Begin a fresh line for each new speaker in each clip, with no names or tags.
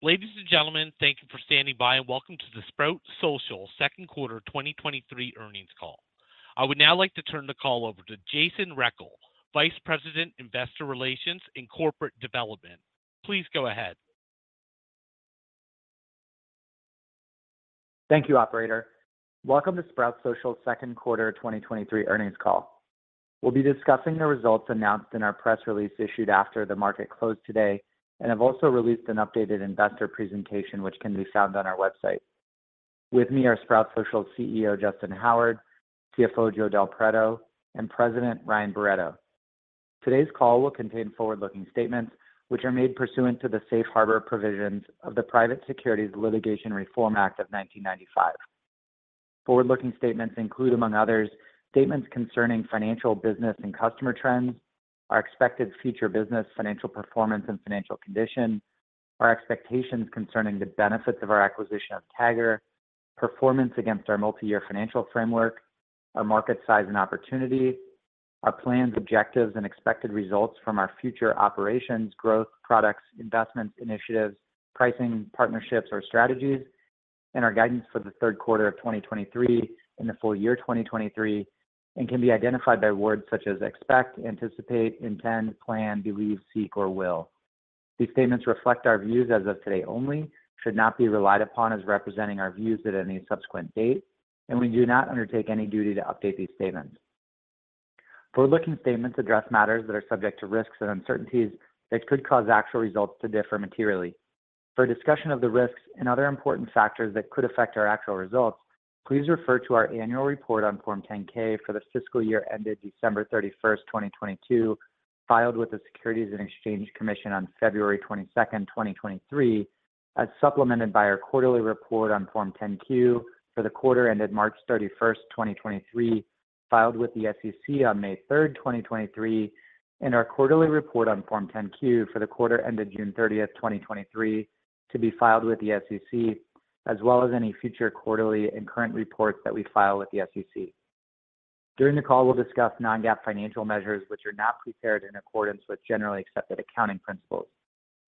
Ladies and gentlemen, thank you for standing by, and welcome to the Sprout Social Second Quarter 2023 Earnings Call. I would now like to turn the call over to Jason Rechel, Vice President, Investor Relations and Corporate Development. Please go ahead.
Thank you, operator. Welcome to Sprout Social's 2nd quarter 2023 earnings call. We'll be discussing the results announced in our press release, issued after the market closed today, and have also released an updated investor presentation, which can be found on our website. With me are Sprout Social's CEO, Justyn Howard, CFO, Joe Del Preto, and President, Ryan Barretto. Today's call will contain forward-looking statements which are made pursuant to the Safe Harbor provisions of the Private Securities Litigation Reform Act of 1995. Forward-looking statements include, among others, statements concerning financial, business, and customer trends, our expected future business, financial performance and financial condition, our expectations concerning the benefits of our acquisition of Tagger, performance against our multi-year financial framework, our market size and opportunity, our plans, objectives and expected results from our future operations, growth, products, investments, initiatives, pricing, partnerships or strategies, and our guidance for the third quarter of 2023 and the full year 2023, and can be identified by words such as expect, anticipate, intend, plan, believe, seek, or will. These statements reflect our views as of today only, should not be relied upon as representing our views at any subsequent date, and we do not undertake any duty to update these statements. Forward-looking statements address matters that are subject to risks and uncertainties that could cause actual results to differ materially. For a discussion of the risks and other important factors that could affect our actual results, please refer to our annual report on Form 10-K for the fiscal year ended December 31st, 2022, filed with the Securities and Exchange Commission on February 22nd, 2023, as supplemented by our quarterly report on Form 10-Q for the quarter ended March 31st, 2023, filed with the SEC on May 3rd, 2023, and our quarterly report on Form 10-Q for the quarter ended June 30th, 2023, to be filed with the SEC, as well as any future quarterly and current reports that we file with the SEC. During the call, we'll discuss non-GAAP financial measures, which are not prepared in accordance with generally accepted accounting principles.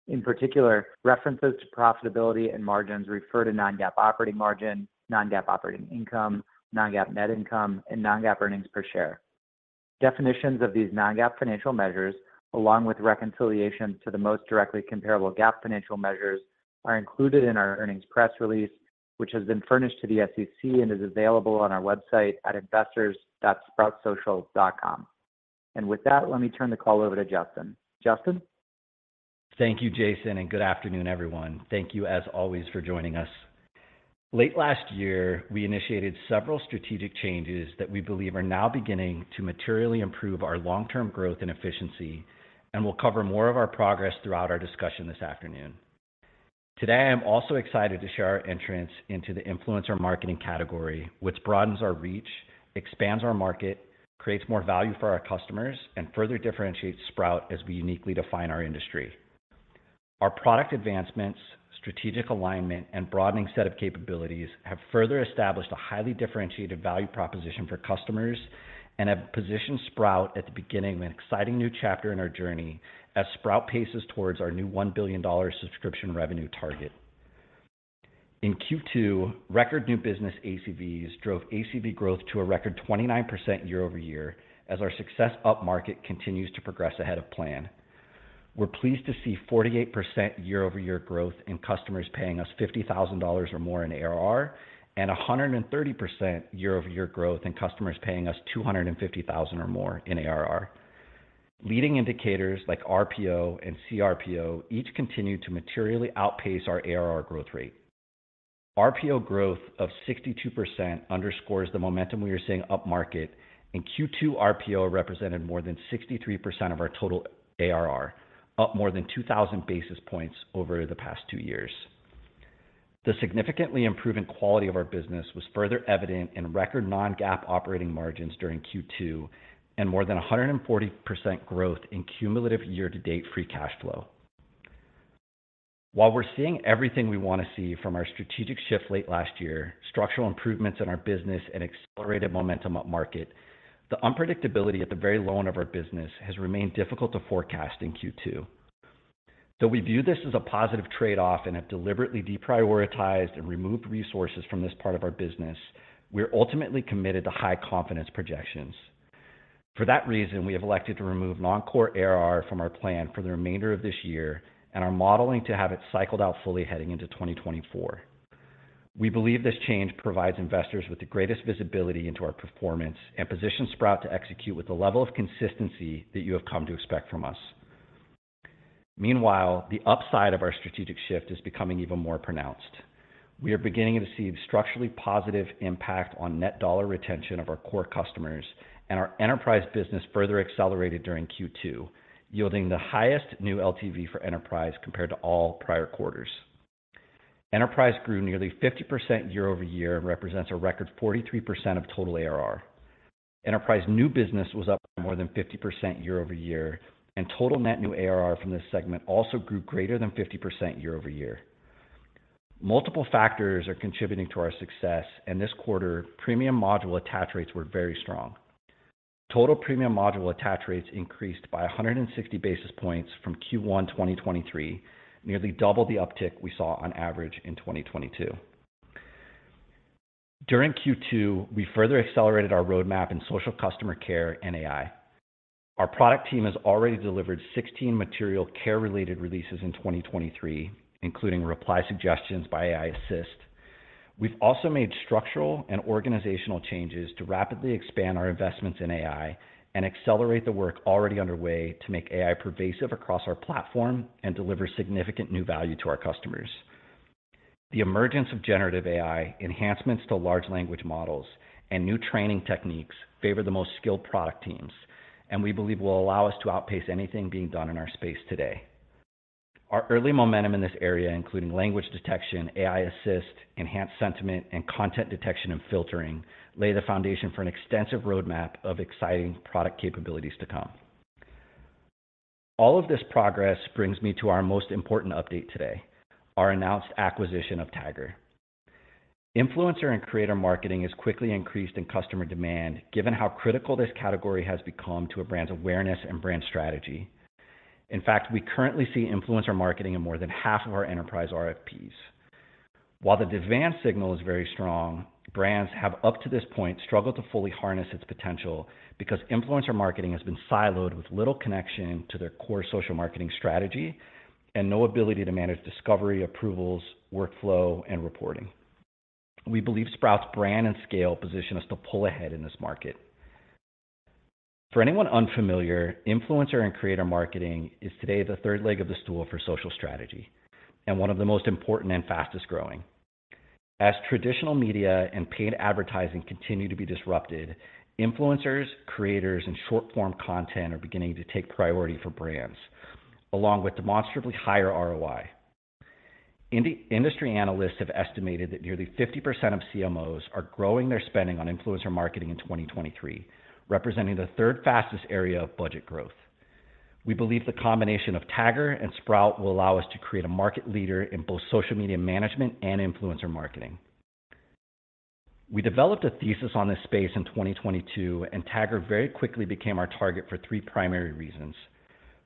In particular, references to profitability and margins refer to non-GAAP operating margin, non-GAAP operating income, non-GAAP net income, and non-GAAP earnings per share. Definitions of these non-GAAP financial measures, along with reconciliation to the most directly comparable GAAP financial measures, are included in our earnings press release, which has been furnished to the SEC and is available on our website at investors.sproutsocial.com. With that, let me turn the call over to Justyn. Justyn?
Thank you, Jason. Good afternoon, everyone. Thank you, as always, for joining us. Late last year, we initiated several strategic changes that we believe are now beginning to materially improve our long-term growth and efficiency, and we'll cover more of our progress throughout our discussion this afternoon. Today, I'm also excited to share our entrance into the influencer marketing category, which broadens our reach, expands our market, creates more value for our customers, and further differentiates Sprout as we uniquely define our industry. Our product advancements, strategic alignment, and broadening set of capabilities have further established a highly differentiated value proposition for customers and have positioned Sprout at the beginning of an exciting new chapter in our journey as Sprout paces towards our new $1 billion subscription revenue target. In Q2, record new business ACVs drove ACV growth to a record 29% year-over-year, as our success upmarket continues to progress ahead of plan. We're pleased to see 48% year-over-year growth in customers paying us $50,000 or more in ARR, and 130% year-over-year growth in customers paying us $250,000 or more in ARR. Leading indicators like RPO and CRPO each continue to materially outpace our ARR growth rate. RPO growth of 62% underscores the momentum we are seeing upmarket, and Q2 RPO represented more than 63% of our total ARR, up more than 2,000 basis points over the past two years. The significantly improving quality of our business was further evident in record non-GAAP operating margins during Q2 and more than 140% growth in cumulative year-to-date free cash flow. While we're seeing everything we want to see from our strategic shift late last year, structural improvements in our business and accelerated momentum upmarket, the unpredictability at the very low end of our business has remained difficult to forecast in Q2. Though we view this as a positive trade-off and have deliberately deprioritized and removed resources from this part of our business, we're ultimately committed to high confidence projections. For that reason, we have elected to remove non-core ARR from our plan for the remainder of this year and are modeling to have it cycled out fully heading into 2024. We believe this change provides investors with the greatest visibility into our performance and positions Sprout to execute with the level of consistency that you have come to expect from us. Meanwhile, the upside of our strategic shift is becoming even more pronounced. We are beginning to see structurally positive impact on net dollar retention of our core customers, and our enterprise business further accelerated during Q2, yielding the highest new LTV for enterprise compared to all prior quarters. Enterprise grew nearly 50% year-over-year and represents a record 43% of total ARR. Enterprise new business was up more than 50% year-over-year, and total net new ARR from this segment also grew greater than 50% year-over-year. Multiple factors are contributing to our success, and this quarter, premium module attach rates were very strong. Total premium module attach rates increased by 160 basis points from Q1 2023, nearly double the uptick we saw on average in 2022. During Q2, we further accelerated our roadmap in social customer care and AI. Our product team has already delivered 16 material care-related releases in 2023, including reply suggestions by AI Assist. We've also made structural and organizational changes to rapidly expand our investments in AI and accelerate the work already underway to make AI pervasive across our platform and deliver significant new value to our customers. The emergence of generative AI, enhancements to large language models, and new training techniques favor the most skilled product teams, and we believe will allow us to outpace anything being done in our space today. Our early momentum in this area, including language detection, AI Assist, enhanced sentiment, and content detection and filtering, lay the foundation for an extensive roadmap of exciting product capabilities to come. All of this progress brings me to our most important update today, our announced acquisition of Tagger. Influencer and creator marketing has quickly increased in customer demand, given how critical this category has become to a brand's awareness and brand strategy. In fact, we currently see influencer marketing in more than half of our enterprise RFPs. While the demand signal is very strong, brands have, up to this point, struggled to fully harness its potential because influencer marketing has been siloed with little connection to their core social marketing strategy and no ability to manage discovery, approvals, workflow, and reporting. We believe Sprout's brand and scale position us to pull ahead in this market. For anyone unfamiliar, influencer and creator marketing is today the third leg of the stool for social strategy, and one of the most important and fastest-growing. As traditional media and paid advertising continue to be disrupted, influencers, creators, and short-form content are beginning to take priority for brands, along with demonstrably higher ROI. Industry analysts have estimated that nearly 50% of CMOs are growing their spending on influencer marketing in 2023, representing the third fastest area of budget growth. We believe the combination of Tagger and Sprout will allow us to create a market leader in both social media management and influencer marketing. We developed a thesis on this space in 2022, Tagger very quickly became our target for three primary reasons.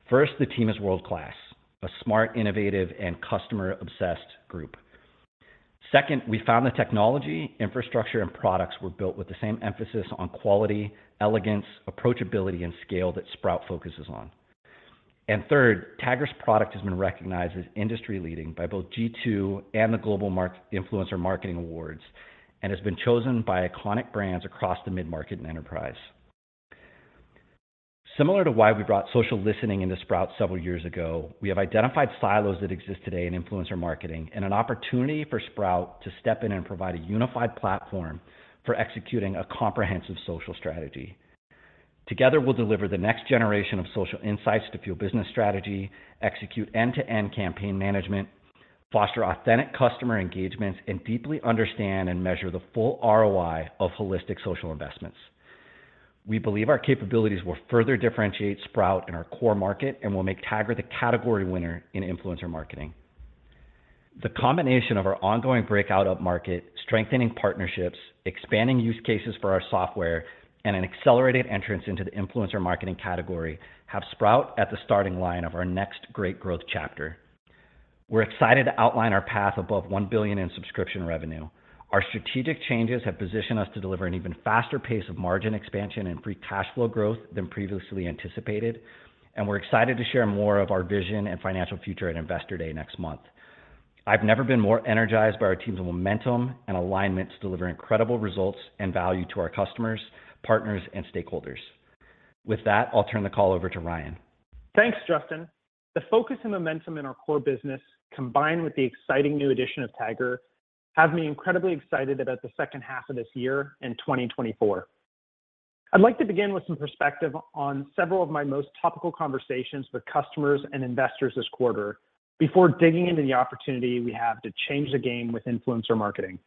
First, the team is world-class, a smart, innovative, and customer-obsessed group. Second, we found the technology, infrastructure, and products were built with the same emphasis on quality, elegance, approachability, and scale that Sprout focuses on. Third, Tagger's product has been recognized as industry-leading by both G2 and the Global Influencer Marketing Awards, and has been chosen by iconic brands across the mid-market and enterprise. Similar to why we brought social listening into Sprout several years ago, we have identified silos that exist today in influencer marketing and an opportunity for Sprout to step in and provide a unified platform for executing a comprehensive social strategy. Together, we'll deliver the next generation of social insights to fuel business strategy, execute end-to-end campaign management, foster authentic customer engagements, and deeply understand and measure the full ROI of holistic social investments. We believe our capabilities will further differentiate Sprout in our core market and will make Tagger the category winner in influencer marketing. The combination of our ongoing breakout of market, strengthening partnerships, expanding use cases for our software, and an accelerated entrance into the influencer marketing category have Sprout at the starting line of our next great growth chapter. We're excited to outline our path above $1 billion in subscription revenue. Our strategic changes have positioned us to deliver an even faster pace of margin expansion and free cash flow growth than previously anticipated. We're excited to share more of our vision and financial future at Investor Day next month. I've never been more energized by our team's momentum and alignment to deliver incredible results and value to our customers, partners, and stakeholders. With that, I'll turn the call over to Ryan.
Thanks, Justyn. The focus and momentum in our core business, combined with the exciting new addition of Tagger, have me incredibly excited about the second half of this year and 2024. I'd like to begin with some perspective on several of my most topical conversations with customers and investors this quarter before digging into the opportunity we have to change the game with influencer marketing.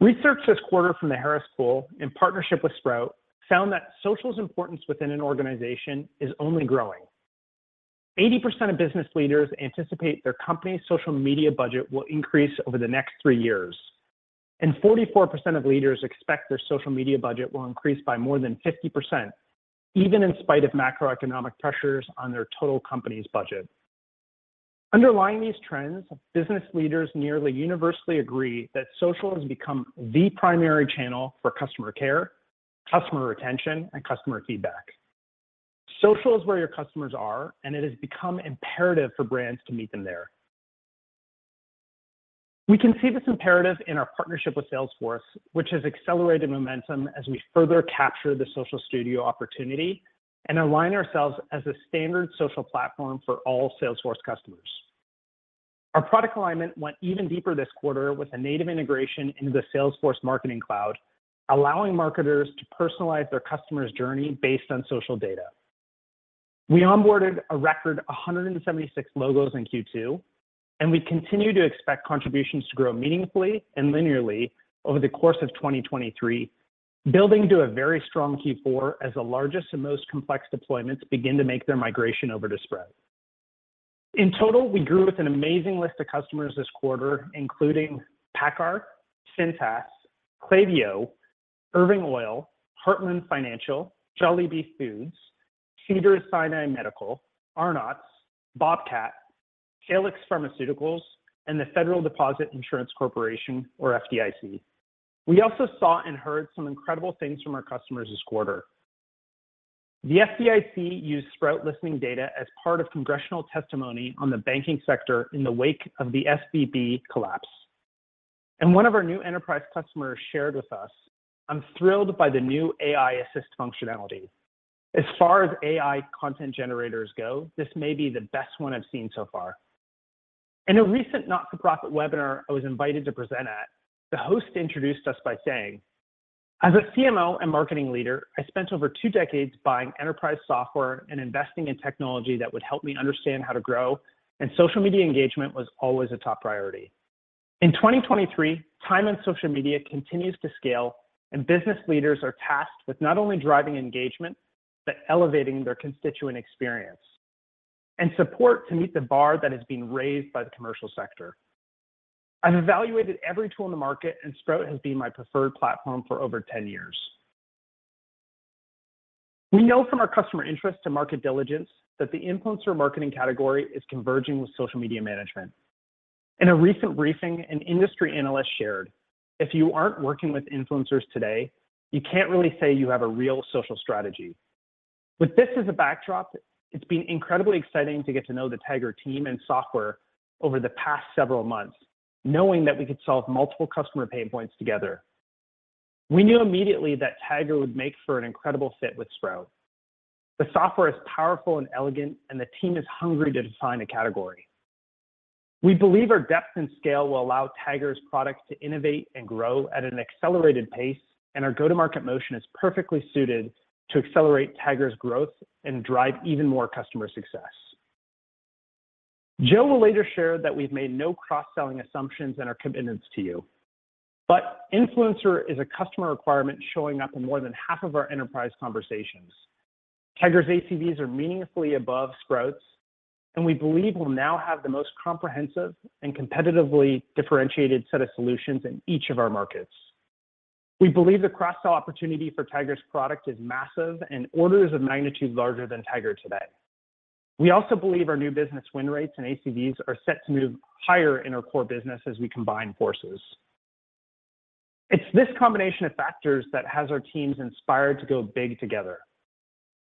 Research this quarter from the Harris Poll, in partnership with Sprout, found that social's importance within an organization is only growing. 80% of business leaders anticipate their company's social media budget will increase over the next three years, and 44% of leaders expect their social media budget will increase by more than 50%, even in spite of macroeconomic pressures on their total company's budget. Underlying these trends, business leaders nearly universally agree that social has become the primary channel for customer care, customer retention, and customer feedback. Social is where your customers are, and it has become imperative for brands to meet them there. We can see this imperative in our partnership with Salesforce, which has accelerated momentum as we further capture the Social Studio opportunity and align ourselves as a standard social platform for all Salesforce customers. Our product alignment went even deeper this quarter with a native integration into the Salesforce Marketing Cloud, allowing marketers to personalize their customer's journey based on social data. We onboarded a record 176 logos in Q2, and we continue to expect contributions to grow meaningfully and linearly over the course of 2023, building to a very strong Q4 as the largest and most complex deployments begin to make their migration over to Sprout. In total, we grew with an amazing list of customers this quarter, including PACCAR, Cintas, Klaviyo, Irving Oil, Heartland Financial, Jollibee Foods, Cedars-Sinai Medical, Arnott's, Bobcat, Salix Pharmaceuticals, and the Federal Deposit Insurance Corporation or FDIC. We also saw and heard some incredible things from our customers this quarter. The FDIC used Sprout listening data as part of congressional testimony on the banking sector in the wake of the SVB collapse. One of our new enterprise customers shared with us, "I'm thrilled by the new AI Assist functionality. As far as AI content generators go, this may be the best one I've seen so far." In a recent not-for-profit webinar I was invited to present at, the host introduced us by saying, "As a CMO and marketing leader, I spent over two decades buying enterprise software and investing in technology that would help me understand how to grow, and social media engagement was always a top priority. In 2023, time on social media continues to scale, and business leaders are tasked with not only driving engagement, but elevating their constituent experience and support to meet the bar that has been raised by the commercial sector. I've evaluated every tool in the market, and Sprout has been my preferred platform for over 10 years." We know from our customer interest to market diligence that the influencer marketing category is converging with social media management. In a recent briefing, an industry analyst shared, "If you aren't working with influencers today, you can't really say you have a real social strategy." With this as a backdrop, it's been incredibly exciting to get to know the Tagger team and software over the past several months, knowing that we could solve multiple customer pain points together. We knew immediately that Tagger would make for an incredible fit with Sprout. The software is powerful and elegant, and the team is hungry to define a category. We believe our depth and scale will allow Tagger's product to innovate and grow at an accelerated pace, and our go-to-market motion is perfectly suited to accelerate Tagger's growth and drive even more customer success. Joe will later share that we've made no cross-selling assumptions and our commitments to you. Influencer is a customer requirement, showing up in more than half of our enterprise conversations. Tagger's ACVs are meaningfully above Sprout's, and we believe we'll now have the most comprehensive and competitively differentiated set of solutions in each of our markets. We believe the cross-sell opportunity for Tagger's product is massive and orders of magnitude larger than Tagger today. We also believe our new business win rates and ACVs are set to move higher in our core business as we combine forces. It's this combination of factors that has our teams inspired to go big together.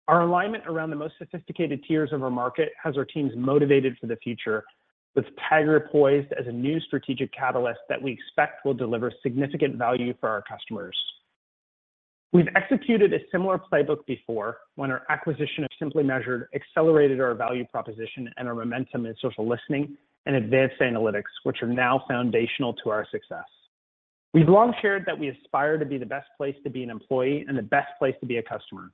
Our alignment around the most sophisticated tiers of our market has our teams motivated for the future, with Tagger poised as a new strategic catalyst that we expect will deliver significant value for our customers. We've executed a similar playbook before when our acquisition of Simply Measured accelerated our value proposition and our momentum in social listening and advanced analytics, which are now foundational to our success. We've long shared that we aspire to be the best place to be an employee and the best place to be a customer.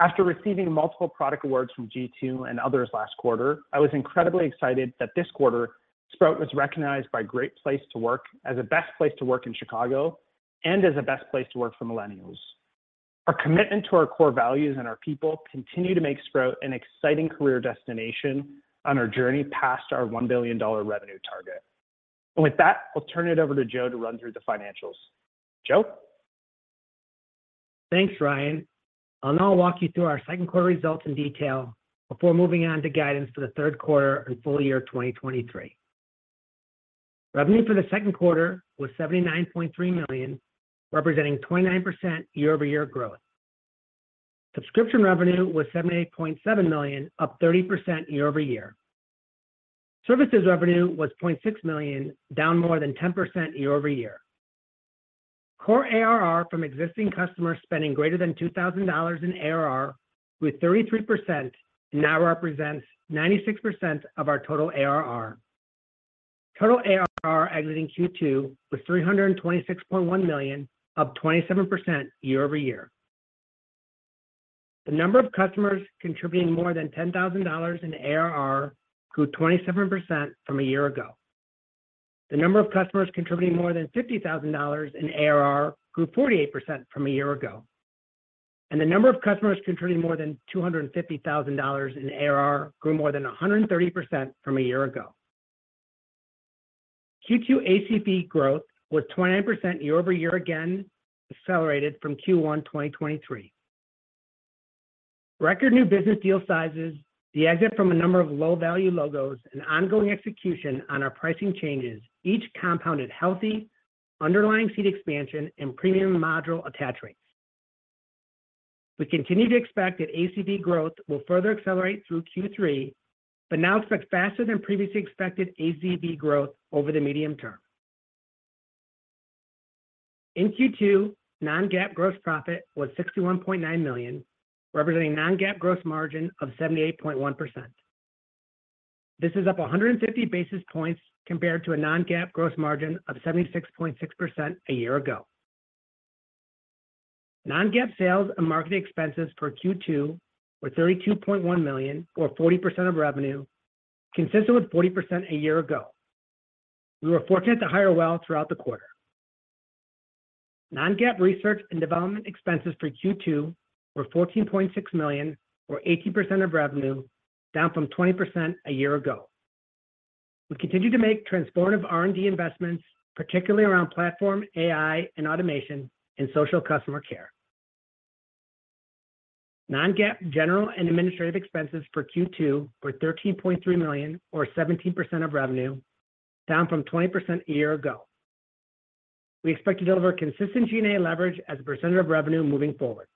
After receiving multiple product awards from G2 and others last quarter, I was incredibly excited that this quarter, Sprout was recognized by Great Place to Work as a best place to work in Chicago and as a best place to work for millennials. Our commitment to our core values and our people continue to make Sprout an exciting career destination on our journey past our $1 billion revenue target. With that, I'll turn it over to Joe to run through the financials. Joe?
Thanks, Ryan. I'll now walk you through our second quarter results in detail before moving on to guidance for the third quarter and full year 2023. Revenue for the second quarter was $79.3 million, representing 29% year-over-year growth. Subscription revenue was $78.7 million, up 30% year-over-year. Services revenue was $0.6 million, down more than 10% year-over-year. Core ARR from existing customers spending greater than $2,000 in ARR grew 33%, now represents 96% of our total ARR. Total ARR exiting Q2 was $326.1 million, up 27% year-over-year. The number of customers contributing more than $10,000 in ARR grew 27% from a year ago. The number of customers contributing more than $50,000 in ARR grew 48% from a year ago, and the number of customers contributing more than $250,000 in ARR grew more than 130% from a year ago. Q2 ACV growth was 29% year-over-year, again, accelerated from Q1 2023. Record new business deal sizes, the exit from a number of low-value logos, and ongoing execution on our pricing changes, each compounded healthy, underlying seat expansion and premium module attach rates. We continue to expect that ACV growth will further accelerate through Q3, but now expect faster than previously expected ACV growth over the medium term. In Q2, non-GAAP gross profit was $61.9 million, representing non-GAAP gross margin of 78.1%. This is up 150 basis points compared to a non-GAAP gross margin of 76.6% a year ago. Non-GAAP sales and marketing expenses for Q2 were $32.1 million or 40% of revenue, consistent with 40% a year ago. We were fortunate to hire well throughout the quarter. Non-GAAP research and development expenses for Q2 were $14.6 million, or 18% of revenue, down from 20% a year ago. We continue to make transformative R&D investments, particularly around platform, AI, and automation, and social customer care. Non-GAAP general and administrative expenses for Q2 were $13.3 million, or 17% of revenue, down from 20% a year ago. We expect to deliver consistent G&A leverage as a percentage of revenue moving forward.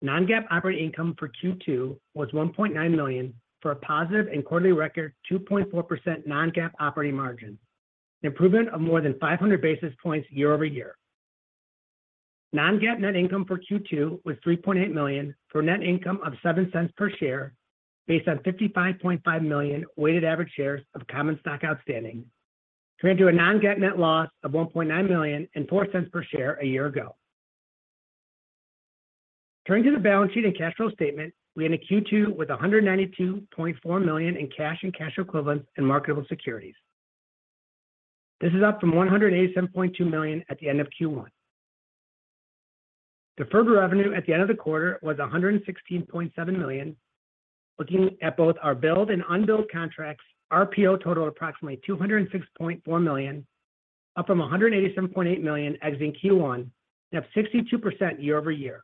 Non-GAAP operating income for Q2 was $1.9 million, for a positive and quarterly record, 2.4% non-GAAP operating margin, an improvement of more than 500 basis points year-over-year. Non-GAAP net income for Q2 was $3.8 million, for a net income of $0.07 per share, based on 55.5 million weighted average shares of common stock outstanding, compared to a non-GAAP net loss of $1.9 million and $0.04 per share a year ago. Turning to the balance sheet and cash flow statement, we end Q2 with $192.4 million in cash and cash equivalents and marketable securities. This is up from $187.2 million at the end of Q1. Deferred revenue at the end of the quarter was $116.7 million. Looking at both our billed and unbilled contracts, our RPO total approximately $206.4 million, up from $187.8 million exiting Q1, and up 62% year-over-year.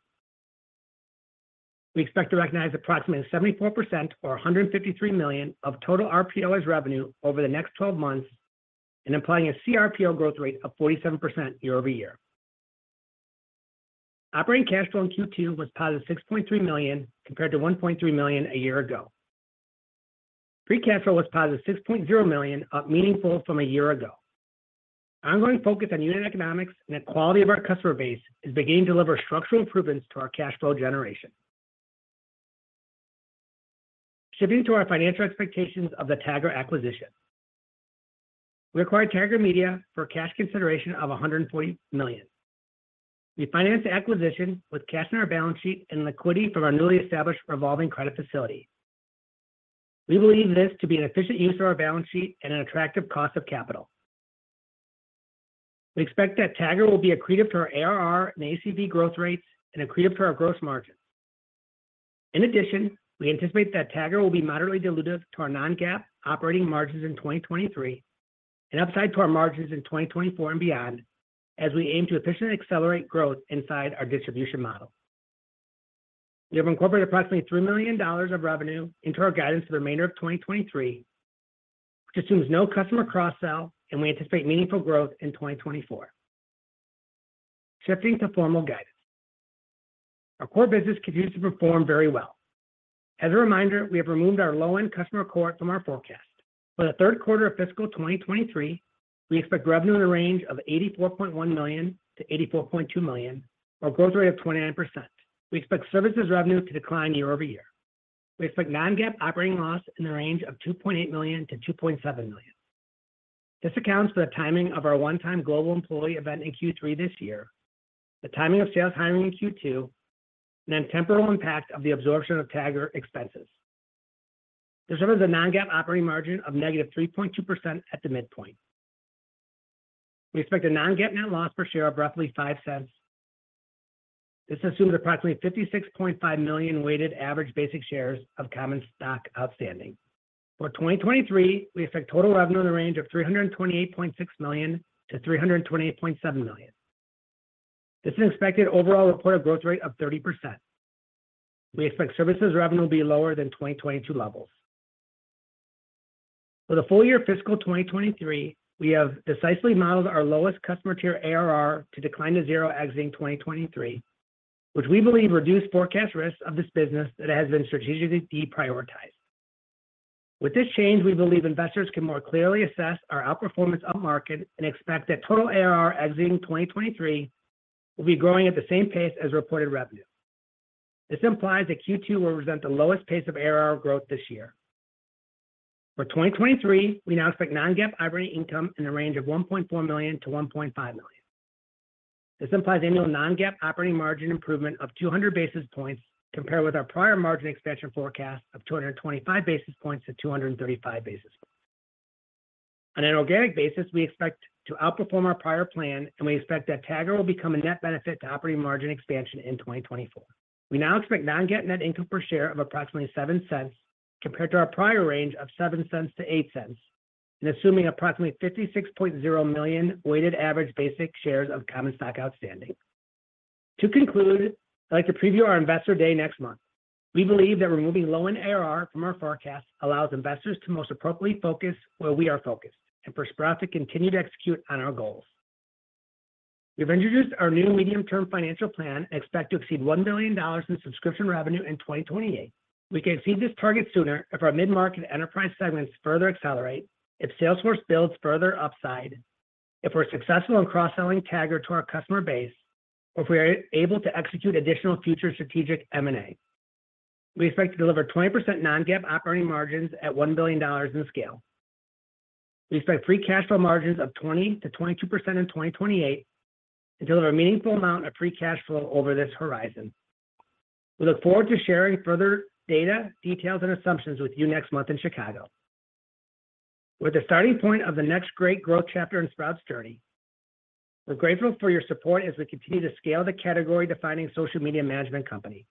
We expect to recognize approximately 74% or $153 million of total RPO as revenue over the next 12 months, and implying a CRPO growth rate of 47% year-over-year. Operating cash flow in Q2 was positive $6.3 million, compared to $1.3 million a year ago. Free cash flow was positive $6.0 million, up meaningful from a year ago. Ongoing focus on unit economics and the quality of our customer base is beginning to deliver structural improvements to our cash flow generation. Shifting to our financial expectations of the Tagger acquisition. We acquired Tagger Media for cash consideration of $140 million. We financed the acquisition with cash in our balance sheet and liquidity from our newly established revolving credit facility. We believe this to be an efficient use of our balance sheet and an attractive cost of capital. We expect that Tagger will be accretive to our ARR and ACV growth rates and accretive to our gross margin. In addition, we anticipate that Tagger will be moderately dilutive to our non-GAAP operating margins in 2023, and upside to our margins in 2024 and beyond, as we aim to efficiently accelerate growth inside our distribution model. We have incorporated approximately $3 million of revenue into our guidance for the remainder of 2023, which assumes no customer cross-sell, and we anticipate meaningful growth in 2024. Shifting to formal guidance. Our core business continues to perform very well. As a reminder, we have removed our low-end customer core from our forecast. For the third quarter of fiscal 2023, we expect revenue in the range of $84.1 million-$84.2 million, or a growth rate of 29%. We expect services revenue to decline year-over-year. We expect non-GAAP operating loss in the range of $2.8 million-$2.7 million. This accounts for the timing of our one-time global employee event in Q3 this year, the timing of sales timing in Q2, and then temporal impact of the absorption of Tagger expenses. This is a non-GAAP operating margin of negative 3.2% at the midpoint. We expect a non-GAAP net loss per share of roughly $0.05. This assumes approximately 56.5 million weighted average basic shares of common stock outstanding. For 2023, we expect total revenue in the range of $328.6 million-$328.7 million. This is expected overall reported growth rate of 30%. We expect services revenue will be lower than 2022 levels. For the full year fiscal 2023, we have decisively modeled our lowest customer tier ARR to decline to zero exiting 2023, which we believe reduced forecast risks of this business that has been strategically deprioritized. With this change, we believe investors can more clearly assess our outperformance upmarket and expect that total ARR exiting 2023 will be growing at the same pace as reported revenue. This implies that Q2 will present the lowest pace of ARR growth this year. For 2023, we now expect non-GAAP operating income in the range of $1.4 million-$1.5 million. This implies annual non-GAAP operating margin improvement of 200 basis points, compared with our prior margin expansion forecast of 225 basis points-235 basis points. On an organic basis, we expect to outperform our prior plan, and we expect that Tagger will become a net benefit to operating margin expansion in 2024. We now expect non-GAAP net income per share of approximately $0.07, compared to our prior range of $0.07-$0.08, and assuming approximately 56.0 million weighted average basic shares of common stock outstanding. To conclude, I'd like to preview our Investor Day next month. We believe that removing low-end ARR from our forecast allows investors to most appropriately focus where we are focused, and for Sprouts to continue to execute on our goals. We've introduced our new medium-term financial plan and expect to exceed $1 billion in subscription revenue in 2028. We can exceed this target sooner if our mid-market enterprise segments further accelerate, if Salesforce builds further upside, if we're successful in cross-selling Tagger to our customer base, or if we are able to execute additional future strategic M&A. We expect to deliver 20% non-GAAP operating margins at $1 billion in scale. We expect free cash flow margins of 20%-22% in 2028 and deliver a meaningful amount of free cash flow over this horizon. We look forward to sharing further data, details, and assumptions with you next month in Chicago. We're the starting point of the next great growth chapter in Sprout's journey. We're grateful for your support as we continue to scale the category-defining social media management company.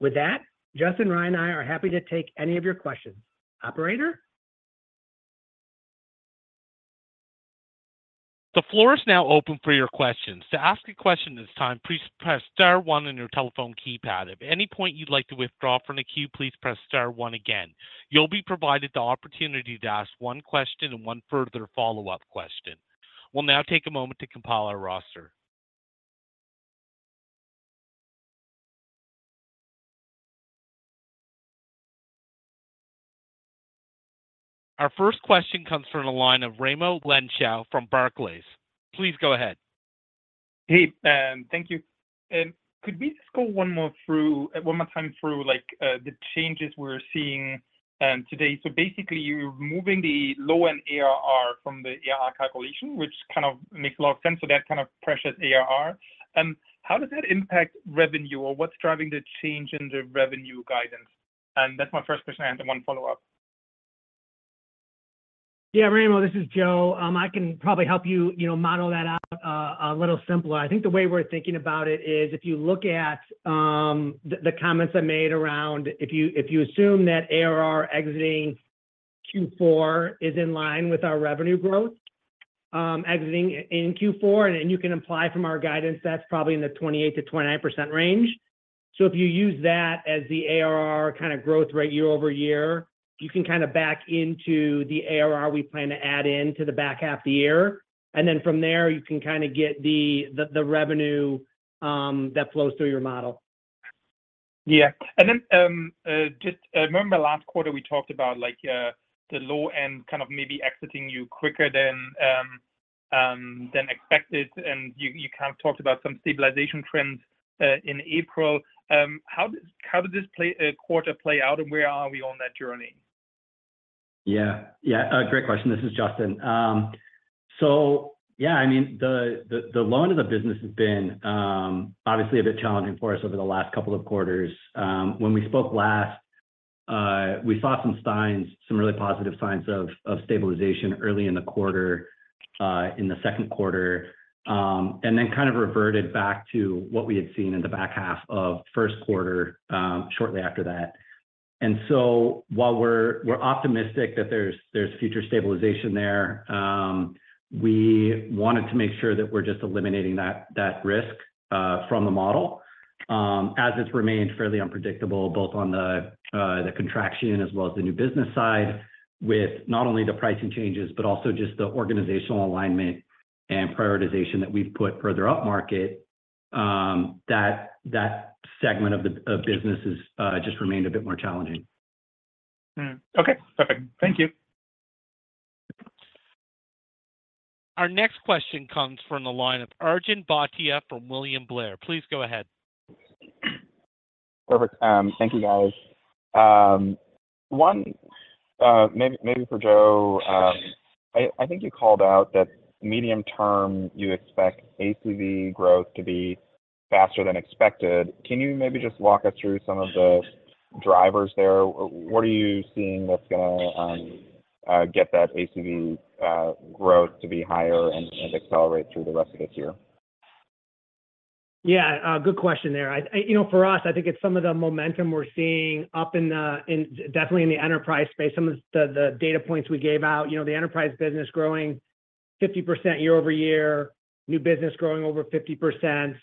With that, Justyn, Ryan, and I are happy to take any of your questions. Operator?
The floor is now open for your questions. To ask a question at this time, please press star one on your telephone keypad. If at any point you'd like to withdraw from the queue, please press star one again. You'll be provided the opportunity to ask one question and one further follow-up question. We'll now take a moment to compile our roster. Our first question comes from the line of Raimo Lenschow from Barclays. Please go ahead.
Hey, thank you. Could we just go one more time through, like, the changes we're seeing today? Basically, you're removing the low-end ARR from the ARR calculation, which kind of makes a lot of sense so that kind of pressures ARR. How does that impact revenue, or what's driving the change in the revenue guidance? That's my first question, and I have one follow-up.
Yeah, Ramo, this is Joe. I can probably help you, you know, model that out, a little simpler. I think the way we're thinking about it is, if you look at, the, the comments I made around, if you, if you assume that ARR exiting Q4 is in line with our revenue growth, exiting in Q4, you can apply from our guidance, that's probably in the 28%-29% range. If you use that as the ARR kind of growth rate year-over-year, you can kind of back into the ARR we plan to add in to the back half of the year. Then from there, you can kind of get the, the, the revenue, that flows through your model.
Yeah. Just, remember last quarter, we talked about like, the low end kind of maybe exiting you quicker than, than expected, and you, you kind of talked about some stabilization trends, in April. How does- how does this play, quarter play out, and where are we on that journey?
Yeah, yeah, great question. This is Justyn. Yeah, I mean, the, the, the loan of the business has been, obviously a bit challenging for us over the last couple of quarters. When we spoke last, we saw some signs, some really positive signs of, of stabilization early in the quarter, in the second quarter, and then kind of reverted back to what we had seen in the back half of first quarter, shortly after that. While we're, we're optimistic that there's, there's future stabilization there, we wanted to make sure that we're just eliminating that, that risk, from the model. As it's remained fairly unpredictable, both on the, the contraction as well as the new business side, with not only the pricing changes, but also just the organizational alignment and prioritization that we've put further upmarket, that, that segment of the, business is, just remained a bit more challenging.
Mm-hmm. Okay, perfect. Thank you.
Our next question comes from the line of Arjun Bhatia from William Blair. Please go ahead.
Perfect. Thank you, guys. One, maybe, maybe for Joe. I, I think you called out that medium term, you expect ACV growth to be faster than expected. Can you maybe just walk us through some of the drivers there? What are you seeing that's gonna, get that ACV, growth to be higher and, and accelerate through the rest of this year?
Yeah, good question there. I, I, you know, for us, I think it's some of the momentum we're seeing up in the, definitely in the enterprise space. Some of the, the data points we gave out, you know, the enterprise business growing 50% year-over-year, new business growing over 50%.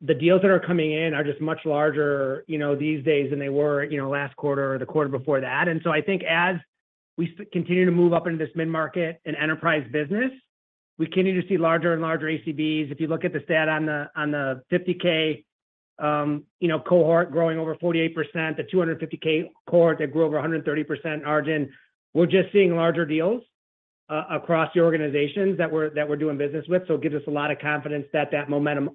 The deals that are coming in are just much larger, you know, these days than they were, you know, last quarter or the quarter before that. So I think as we continue to move up into this mid-market and enterprise business, we continue to see larger and larger ACVs. If you look at the stat on the, on the 50K, you know, cohort growing over 48%, the 250K cohort that grew over 130%, Arjun, we're just seeing larger deals across the organizations that we're, that we're doing business with. It gives us a lot of confidence that that momentum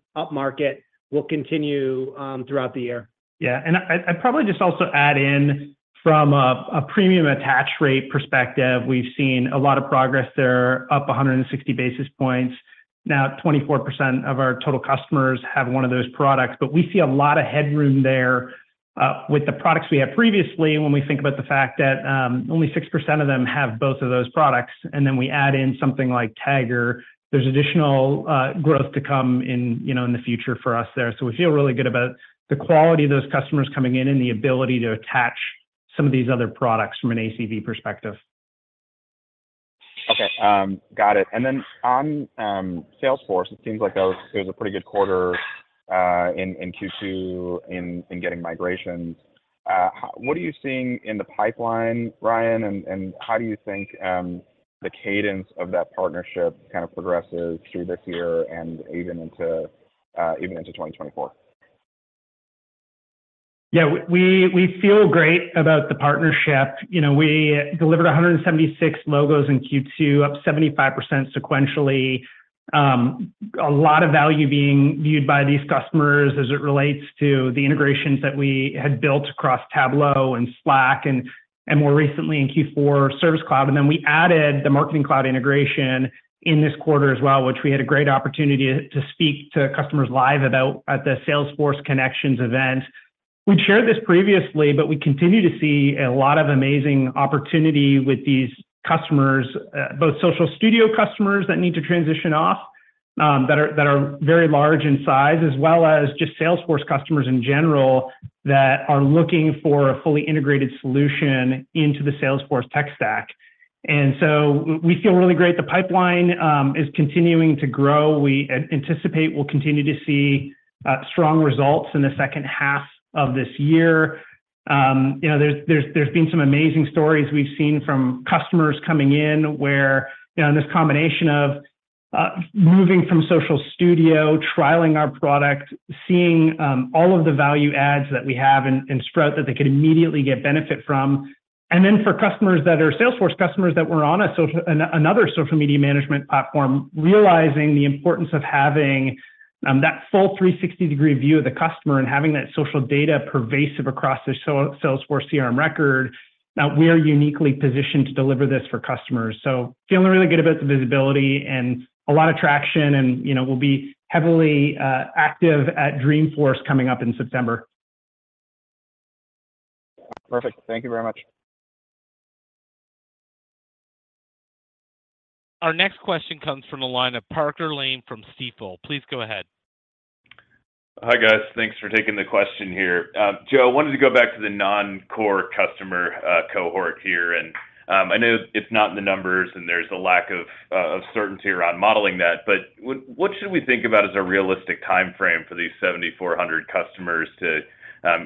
upmarket will continue throughout the year.
Yeah, I'd probably just also add in from a premium attach rate perspective, we've seen a lot of progress there, up 160 basis points. Now, 24% of our total customers have one of those products. We see a lot of headroom there, with the products we had previously, when we think about the fact that, only 6% of them have both of those products. We add in something like Tagger. There's additional growth to come in, you know, in the future for us there. We feel really good about the quality of those customers coming in and the ability to attach some of these other products from an ACV perspective.
Okay, got it. Then on Salesforce, it seems like that was, it was a pretty good quarter in Q2 in getting migrations. What are you seeing in the pipeline, Ryan, and how do you think the cadence of that partnership kind of progresses through this year and even into even into 2024?
Yeah, we, we, we feel great about the partnership. You know, we delivered 176 logos in Q2, up 75% sequentially. A lot of value being viewed by these customers as it relates to the integrations that we had built across Tableau and Slack, and, and more recently in Q4, Service Cloud. Then we added the Marketing Cloud integration in this quarter as well, which we had a great opportunity to, to speak to customers live about at the Salesforce Connections event. We've shared this previously, but we continue to see a lot of amazing opportunity with these customers, both Social Studio customers that need to transition off, that are, that are very large in size, as well as just Salesforce customers in general, that are looking for a fully integrated solution into the Salesforce tech stack. We feel really great. The pipeline is continuing to grow. We anticipate we'll continue to see strong results in the second half of this year. You know, there's, there's, there's been some amazing stories we've seen from customers coming in, where, you know, this combination of moving from Social Studio, trialing our product, seeing all of the value adds that we have in Sprout that they could immediately get benefit from. For customers that are Salesforce customers that were on another social media management platform, realizing the importance of having that full 360-degree view of the customer, and having that social data pervasive across the Salesforce CRM record, that we are uniquely positioned to deliver this for customers. Feeling really good about the visibility and a lot of traction, and, you know, we'll be heavily, active at Dreamforce coming up in September.
Perfect. Thank you very much.
Our next question comes from the line of Parker Lane from Stifel. Please go ahead.
Hi, guys. Thanks for taking the question here. Joe, I wanted to go back to the non-core customer cohort here. I know it's not in the numbers, and there's a lack of certainty around modeling that, but what, what should we think about as a realistic timeframe for these 7,400 customers to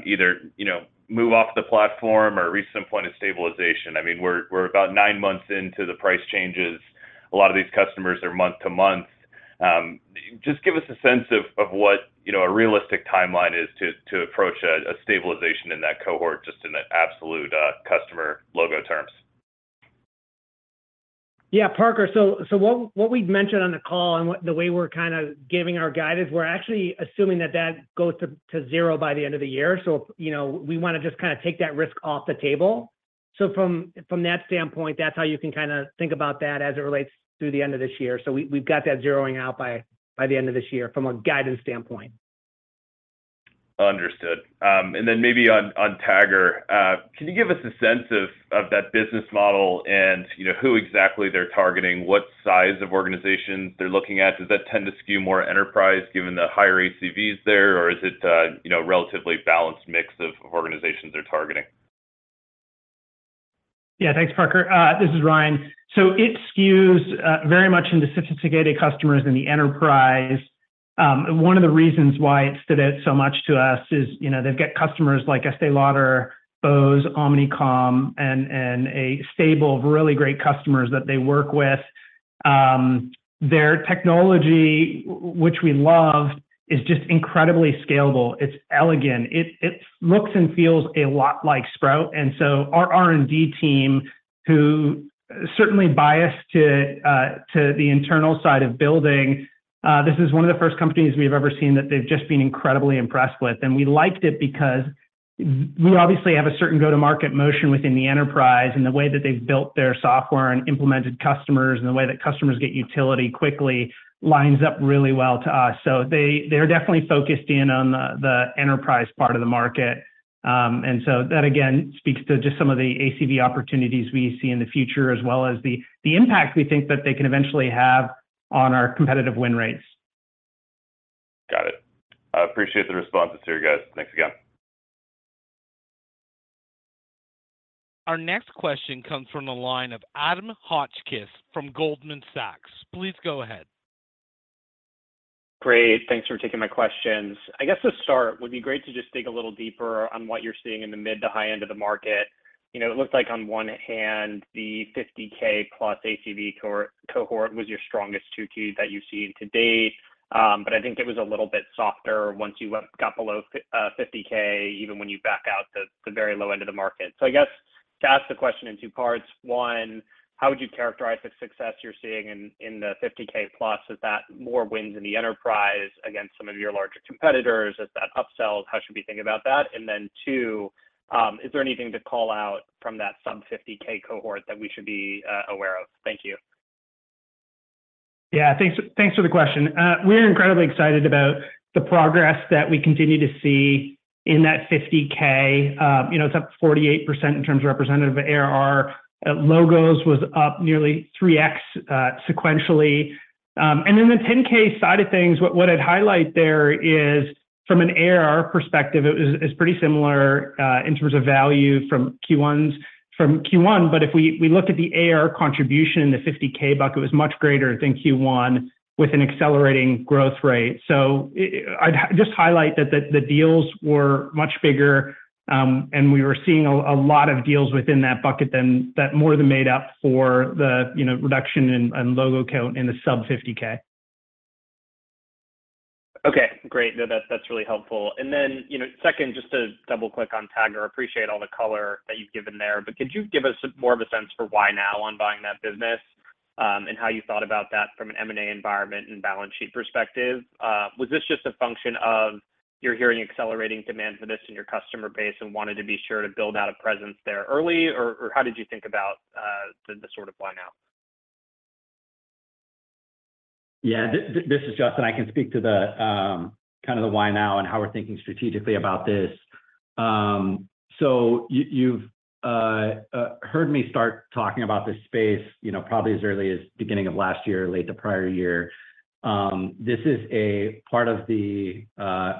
either, you know, move off the platform or reach some point of stabilization? I mean, we're about nine months into the price changes. A lot of these customers are month to month. Just give us a sense of what, you know, a realistic timeline is to approach a stabilization in that cohort, just in the absolute customer logo terms.
Yeah, Parker. So what, what we'd mentioned on the call and what the way we're kind of giving our guidance, we're actually assuming that that goes to, to zero by the end of the year. You know, we wanna just kind of take that risk off the table. From, from that standpoint, that's how you can kind of think about that as it relates through the end of this year. We, we've got that zeroing out by, by the end of this year from a guidance standpoint.
Understood. Then maybe on, on Tagger, can you give us a sense of that business model and, you know, who exactly they're targeting? What size of organizations they're looking at? Does that tend to skew more enterprise, given the higher ACVs there, or is it, you know, relatively balanced mix of organizations they're targeting?
Yeah, thanks, Parker. This is Ryan. It skews very much into sophisticated customers in the enterprise. One of the reasons why it stood out so much to us is, you know, they've got customers like Estée Lauder, Bose, Omnicom, and a stable of really great customers that they work with. Their technology, which we love, is just incredibly scalable. It's elegant. It looks and feels a lot like Sprout. Our R&D team, who certainly biased to the internal side of building, this is one of the first companies we've ever seen that they've just been incredibly impressed with. We liked it because we obviously have a certain go-to market motion within the enterprise, and the way that they've built their software and implemented customers, and the way that customers get utility quickly lines up really well to us. They're definitely focused in on the, the enterprise part of the market. That, again, speaks to just some of the ACV opportunities we see in the future, as well as the, the impact we think that they can eventually have on our competitive win rates.
Got it. I appreciate the responses here, guys. Thanks again.
Our next question comes from the line of Adam Hotchkiss from Goldman Sachs. Please go ahead.
Great, thanks for taking my questions. I guess to start, would be great to just dig a little deeper on what you're seeing in the mid to high end of the market. You know, it looks like on one hand, the 50k plus ACV cohort was your strongest two keys that you've seen to date. I think it was a little bit softer once you went, got below 50k, even when you back out the very low end of the market. I guess to ask the question in two parts, one, how would you characterize the success you're seeing in the 50k plus? Is that more wins in the enterprise against some of your larger competitors? Is that upsells? How should we think about that? Then two, is there anything to call out from that sub 50K cohort that we should be aware of? Thank you.
Yeah, thanks, thanks for the question. We're incredibly excited about the progress that we continue to see in that 50k. You know, it's up 48% in terms of representative ARR. Logos was up nearly 3x sequentially. And then the 10k side of things, what, what I'd highlight there is from an ARR perspective, it was, it's pretty similar in terms of value from Q1's, from Q1. If we, we look at the ARR contribution in the 50k bucket, it was much greater than Q1, with an accelerating growth rate. I'd just highlight that the, the deals were much bigger, and we were seeing a, a lot of deals within that bucket than, that more than made up for the, you know, reduction in, in logo count in the sub 50k.
Okay, great. No, that's, that's really helpful. Then, you know, second, just to double-click on Tagger. Appreciate all the color that you've given there, but could you give us more of a sense for why now on buying that business, and how you thought about that from an M&A environment and balance sheet perspective? Was this just a function of you're hearing accelerating demand for this in your customer base and wanted to be sure to build out a presence there early, or, or how did you think about the sort of why now?
Yeah, this is Justyn. I can speak to the kind of the why now and how we're thinking strategically about this. You, you've heard me start talking about this space, you know, probably as early as beginning of last year or late the prior year. This is a part of the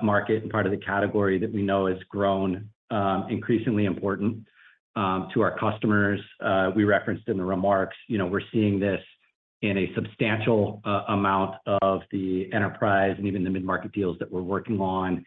market and part of the category that we know has grown increasingly important to our customers. We referenced in the remarks, you know, we're seeing this in a substantial amount of the enterprise and even the mid-market deals that we're working on.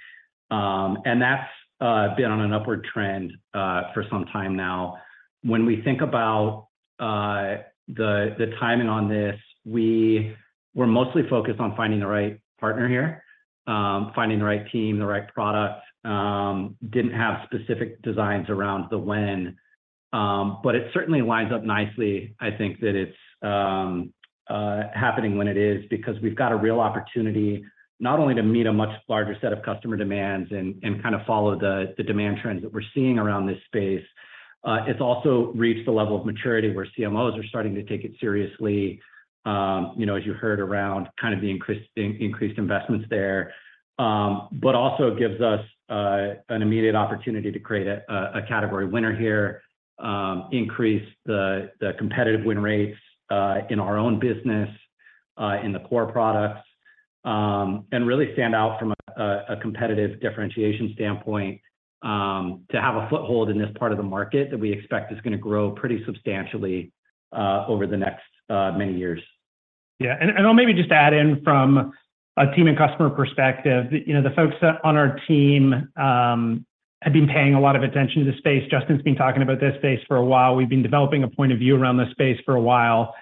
That's been on an upward trend for some time now. When we think about the timing on this, we were mostly focused on finding the right partner here, finding the right team, the right product. Didn't have specific designs around the when, but it certainly lines up nicely. I think that it's happening when it is, because we've got a real opportunity, not only to meet a much larger set of customer demands and, and kind of follow the, the demand trends that we're seeing around this space. It's also reached a level of maturity where CMOs are starting to take it seriously. You know, as you heard around, kind of the increased, increased investments there. But also gives us an immediate opportunity to create a category winner here, increase the, the competitive win rates, in our own business, in the core products. Really stand out from a competitive differentiation standpoint, to have a foothold in this part of the market that we expect is gonna grow pretty substantially, over the next many years.
Yeah. I'll maybe just add in from a team and customer perspective, you know, the folks on our team have been paying a lot of attention to this space. Justyn's been talking about this space for a while. We've been developing a point of view around this space for a while,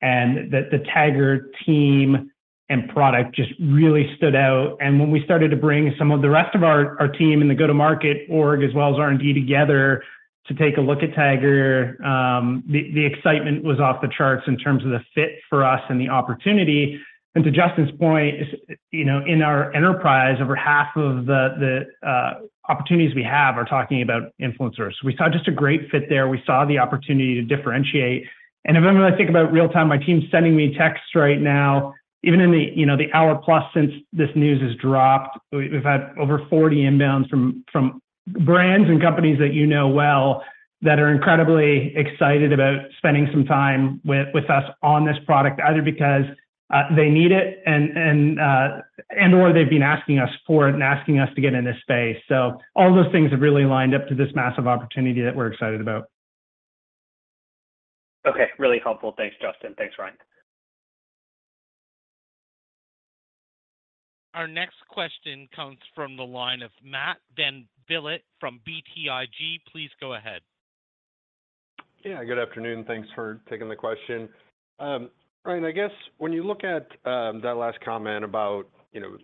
and that the Tagger team and product just really stood out. When we started to bring some of the rest of our, our team in the go-to-market org, as well as R&D together, to take a look at Tagger, the excitement was off the charts in terms of the fit for us and the opportunity. To Justyn's point, you know, in our enterprise, over half of the opportunities we have are talking about influencers. We saw just a great fit there. We saw the opportunity to differentiate. If I'm gonna think about real-time, my team's sending me texts right now, even in the, you know, the hour plus since this news has dropped, we've had over 40 inbounds from brands and companies that you know well, that are incredibly excited about spending some time with us on this product, either because they need it and or they've been asking us for it and asking us to get in this space. All those things have really lined up to this massive opportunity that we're excited about.
Okay, really helpful. Thanks, Justyn. Thanks, Ryan.
Our next question comes from the line of Matt VanVliet from BTIG. Please go ahead.
Yeah, good afternoon. Thanks for taking the question. Ryan, I guess when you look at that last comment about, you know,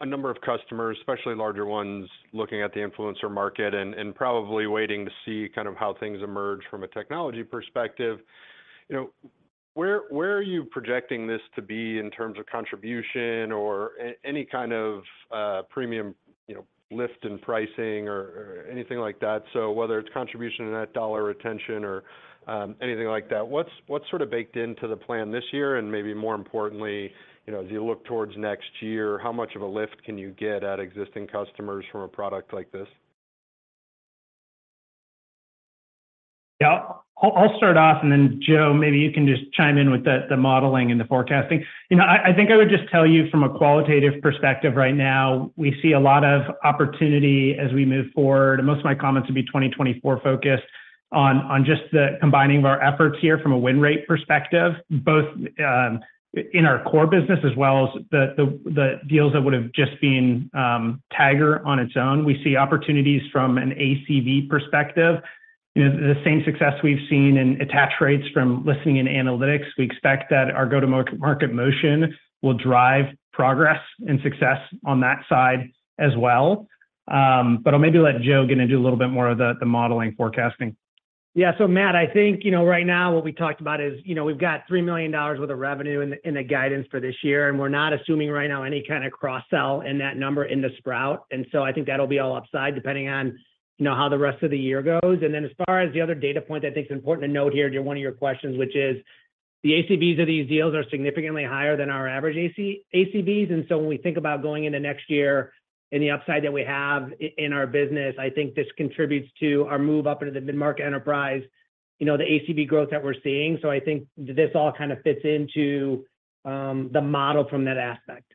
a number of customers, especially larger ones, looking at the influencer market and, and probably waiting to see kind of how things emerge from a technology perspective, you know, where, where are you projecting this to be in terms of contribution or any kind of premium, you know, lift in pricing or, or anything like that? So whether it's contribution in that dollar retention or anything like that, what's, what's sort of baked into the plan this year? Maybe more importantly, you know, as you look towards next year, how much of a lift can you get out of existing customers from a product like this?
Yeah. I'll, I'll start off, and then, Joe, maybe you can just chime in with the, the modeling and the forecasting. You know, I, I think I would just tell you from a qualitative perspective right now, we see a lot of opportunity as we move forward. Most of my comments would be 2024 focused on, on just the combining of our efforts here from a win rate perspective, both, in our core business, as well as the, the, the deals that would have just been, Tagger on its own. We see opportunities from an ACV perspective. You know, the same success we've seen in attach rates from listening and analytics. We expect that our go-to-market motion will drive progress and success on that side as well. I'll maybe let Joe get into a little bit more of the, the modeling forecasting.
Matt, I think, you know, right now, what we talked about is, you know, we've got $3 million worth of revenue in the guidance for this year, and we're not assuming right now any kind of cross-sell in that number in Sprout. I think that'll be all upside, depending on, you know, how the rest of the year goes. As far as the other data point, I think it's important to note here to one of your questions, which is, the ACVs of these deals are significantly higher than our average ACVs. When we think about going into next year and the upside that we have in our business, I think this contributes to our move up into the mid-market enterprise, you know, the ACV growth that we're seeing. I think this all kind of fits into, the model from that aspect.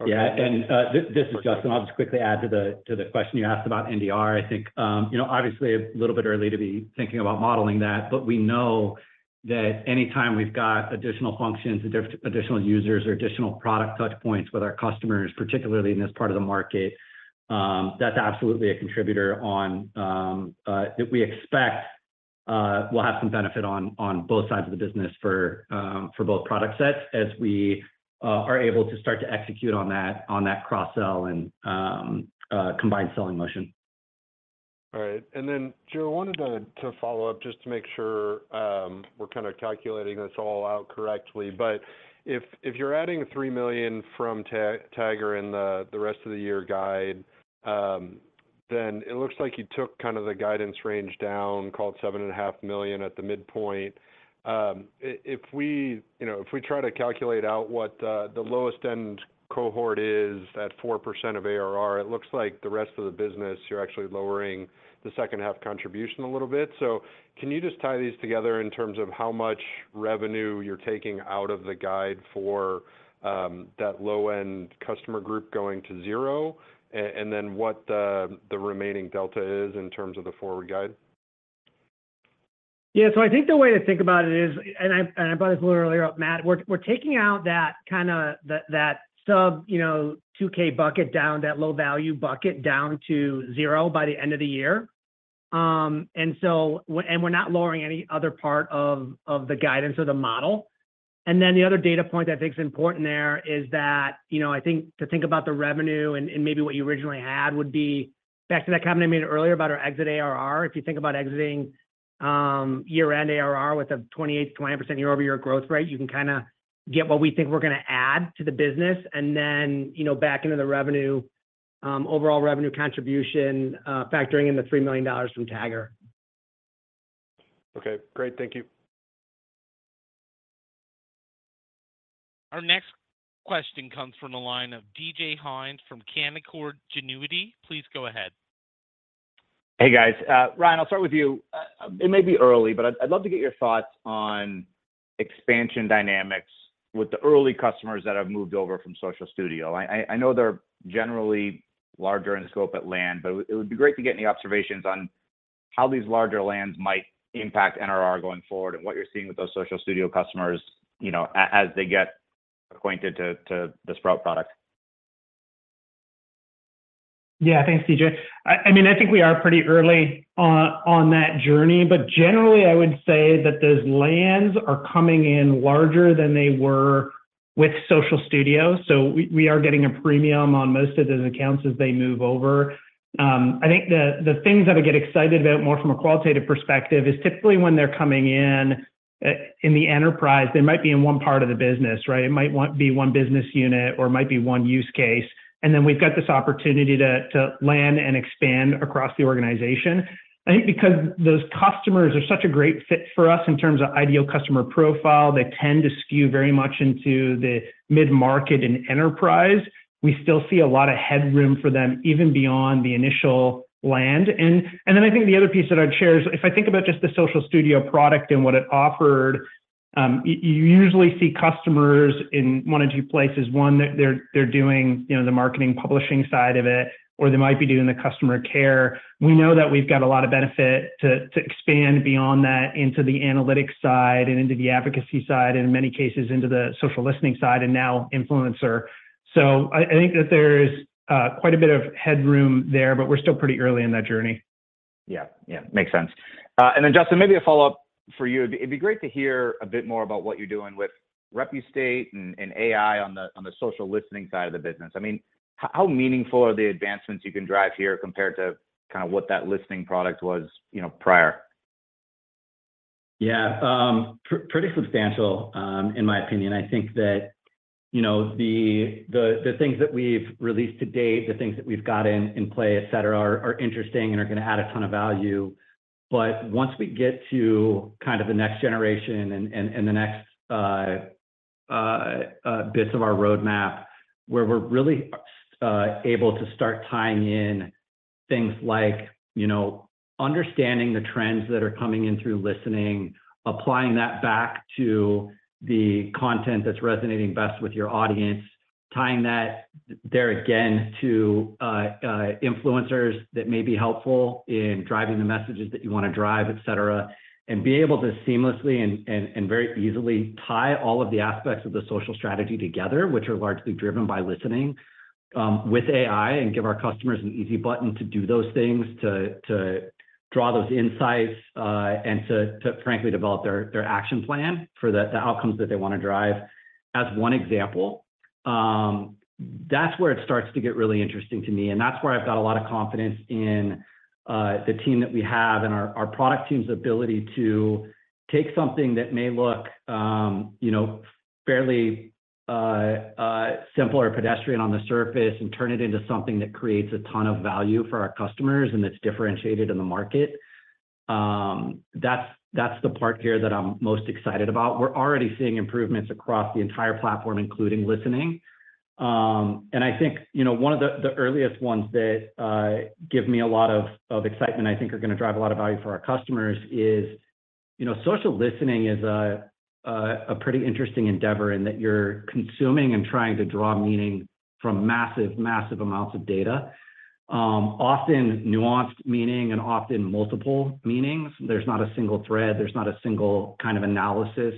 Perfect.
Yeah, and this, this is Justyn. I'll just quickly add to the, to the question you asked about NDR. I think, you know, obviously, a little bit early to be thinking about modeling that, but we know that anytime we've got additional functions, additional users, or additional product touch points with our customers, particularly in this part of the market, that's absolutely a contributor on that we expect will have some benefit on, on both sides of the business for both product sets as we are able to start to execute on that, on that cross-sell and combined selling motion.
All right. Then, Joe, I wanted to, to follow up just to make sure, we're kind of calculating this all out correctly. If, if you're adding $3 million from Tagger in the, the rest of the year guide, it looks like you took kind of the guidance range down, called $7.5 million at the midpoint. If we, you know, if we try to calculate out what the, the lowest end cohort is at 4% of ARR, it looks like the rest of the business, you're actually lowering the second half contribution a little bit. Can you just tie these together in terms of how much revenue you're taking out of the guide for, that low-end customer group going to zero? Then what the, the remaining delta is in terms of the forward guide?
Yeah. I think the way to think about it is, and I, and I brought this a little earlier up, Matt, we're, we're taking out that kinda that, that sub, you know, 2K bucket down, that low-value bucket down to 0 by the end of the year. We're not lowering any other part of, of the guidance or the model. Then the other data point that I think is important there is that, you know, I think to think about the revenue and, and maybe what you originally had would be back to that comment I made earlier about our exit ARR. If you think about exiting, year-end ARR with a 28%-29% year-over-year growth rate, you can kind of get what we think we're gonna add to the business, and then, you know, back into the revenue, overall revenue contribution, factoring in the $3 million from Tagger.
Okay, great. Thank you.
Our next question comes from the line of DJ Hynes from Canaccord Genuity. Please go ahead.
Hey, guys. Ryan, I'll start with you. It may be early, but I'd, I'd love to get your thoughts on expansion dynamics with the early customers that have moved over from Social Studio. I, I know they're generally larger in scope at land, but it would be great to get any observations on how these larger lands might impact NRR going forward, and what you're seeing with those Social Studio customers, you know, as they get acquainted to the Sprout product.
Yeah. Thanks, DJ. I mean, I think we are pretty early on, on that journey, but generally, I would say that those lands are coming in larger than they were with Social Studio, so we, we are getting a premium on most of those accounts as they move over. I think the, the things that I get excited about more from a qualitative perspective is typically when they're coming in, in the enterprise, they might be in one part of the business, right? It might want be one business unit or might be one use case, and then we've got this opportunity to, to land and expand across the organization. I think because those customers are such a great fit for us in terms of ideal customer profile, they tend to skew very much into the mid-market and enterprise. We still see a lot of headroom for them, even beyond the initial land. Then I think the other piece that I'd share is, if I think about just the Social Studio product and what it offered, you usually see customers in one of two places. One, they're, they're doing, you know, the marketing publishing side of it, or they might be doing the customer care. We know that we've got a lot of benefit to, to expand beyond that into the analytics side and into the advocacy side, and in many cases, into the social listening side, and now influencer. I, I think that there's quite a bit of headroom there, but we're still pretty early in that journey.
Yeah. Yeah. Makes sense. Then, Justyn, maybe a follow-up for you. It'd be great to hear a bit more about what you're doing with Repustate and AI on the social listening side of the business. I mean, how meaningful are the advancements you can drive here compared to kind of what that listening product was, you know, prior?
Yeah. Pretty substantial, in my opinion. I think that, you know, the, the, the things that we've released to date, the things that we've got in, in play, et cetera, are, are interesting and are gonna add a ton of value. But once we get to kind of the next generation and, and, and the next bits of our roadmap, where we're really able to start tying in things like, you know, understanding the trends that are coming in through listening, applying that back to the content that's resonating best with your audience, tying that there again to influencers that may be helpful in driving the messages that you want to drive, et cetera. Be able to seamlessly and, and, and very easily tie all of the aspects of the social strategy together, which are largely driven by listening, with AI, and give our customers an easy button to do those things, to, to draw those insights, and to, to frankly, develop their, their action plan for the, the outcomes that they want to drive. As one example, that's where it starts to get really interesting to me, and that's where I've got a lot of confidence in, the team that we have and our, our product team's ability to take something that may look, you know, fairly, simple or pedestrian on the surface, and turn it into something that creates a ton of value for our customers and that's differentiated in the market. That's, that's the part here that I'm most excited about. We're already seeing improvements across the entire platform, including listening. I think, you know, one of the earliest ones that give me a lot of excitement, I think are going to drive a lot of value for our customers is, you know, social listening is a pretty interesting endeavor in that you're consuming and trying to draw meaning from massive, massive amounts of data. Often nuanced meaning and often multiple meanings. There's not a single thread, there's not a single kind of analysis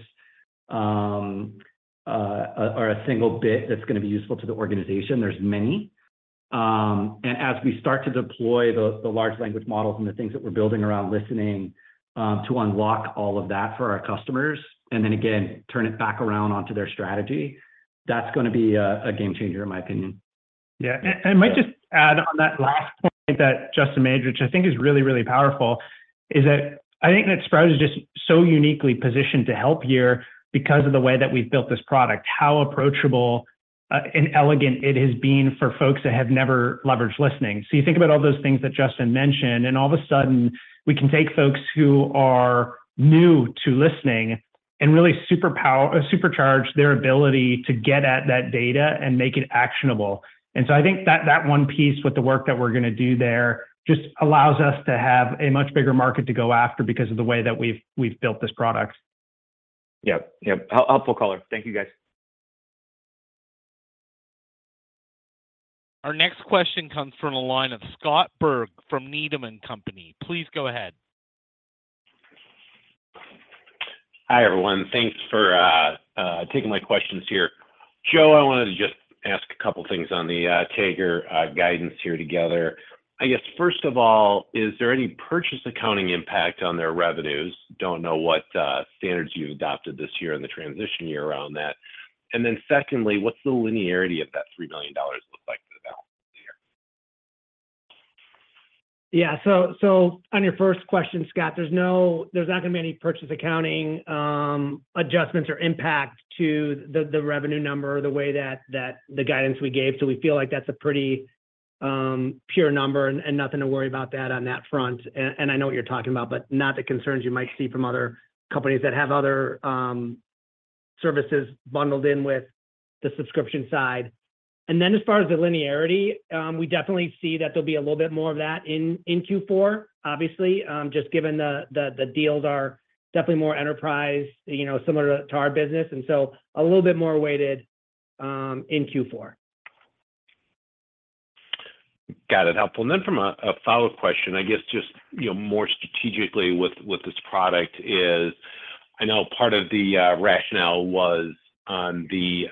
or a single bit that's gonna be useful to the organization. There's many. As we start to deploy the, the large language models and the things that we're building around listening, to unlock all of that for our customers, and then again, turn it back around onto their strategy, that's gonna be a, a game changer, in my opinion.
Yeah. I might just add on that last point that Justyn made, which I think is really, really powerful, is that I think that Sprout is just so uniquely positioned to help here because of the way that we've built this product, how approachable and elegant it has been for folks that have never leveraged listening. You think about all those things that Justyn mentioned, and all of a sudden, we can take folks who are new to listening and really supercharge their ability to get at that data and make it actionable. I think that, that one piece with the work that we're gonna do there, just allows us to have a much bigger market to go after because of the way that we've, we've built this product.
Yep. Yep. Helpful color. Thank you, guys.
Our next question comes from the line of Scott Berg from Needham & Company. Please go ahead.
Hi, everyone. Thanks for taking my questions here. Joe, I wanted to just ask a couple of things on the Tagger guidance here together. I guess, first of all, is there any purchase accounting impact on their revenues? Don't know what standards you've adopted this year in the transition year around that. Secondly, what's the linearity of that $3 million look like for the balance of the year?
Yeah. So on your first question, Scott, there's not gonna be any purchase accounting adjustments or impact to the revenue number, the way that the guidance we gave. We feel like that's a pretty pure number and nothing to worry about that on that front. I know what you're talking about, but not the concerns you might see from other companies that have other services bundled in with the subscription side. Then, as far as the linearity, we definitely see that there'll be a little bit more of that in Q4, obviously, just given the deals are definitely more enterprise, you know, similar to our business, and so a little bit more weighted in Q4.
Got it. Helpful. Then from a follow-up question, I guess, just, you know, more strategically with this product is, I know part of the rationale was on the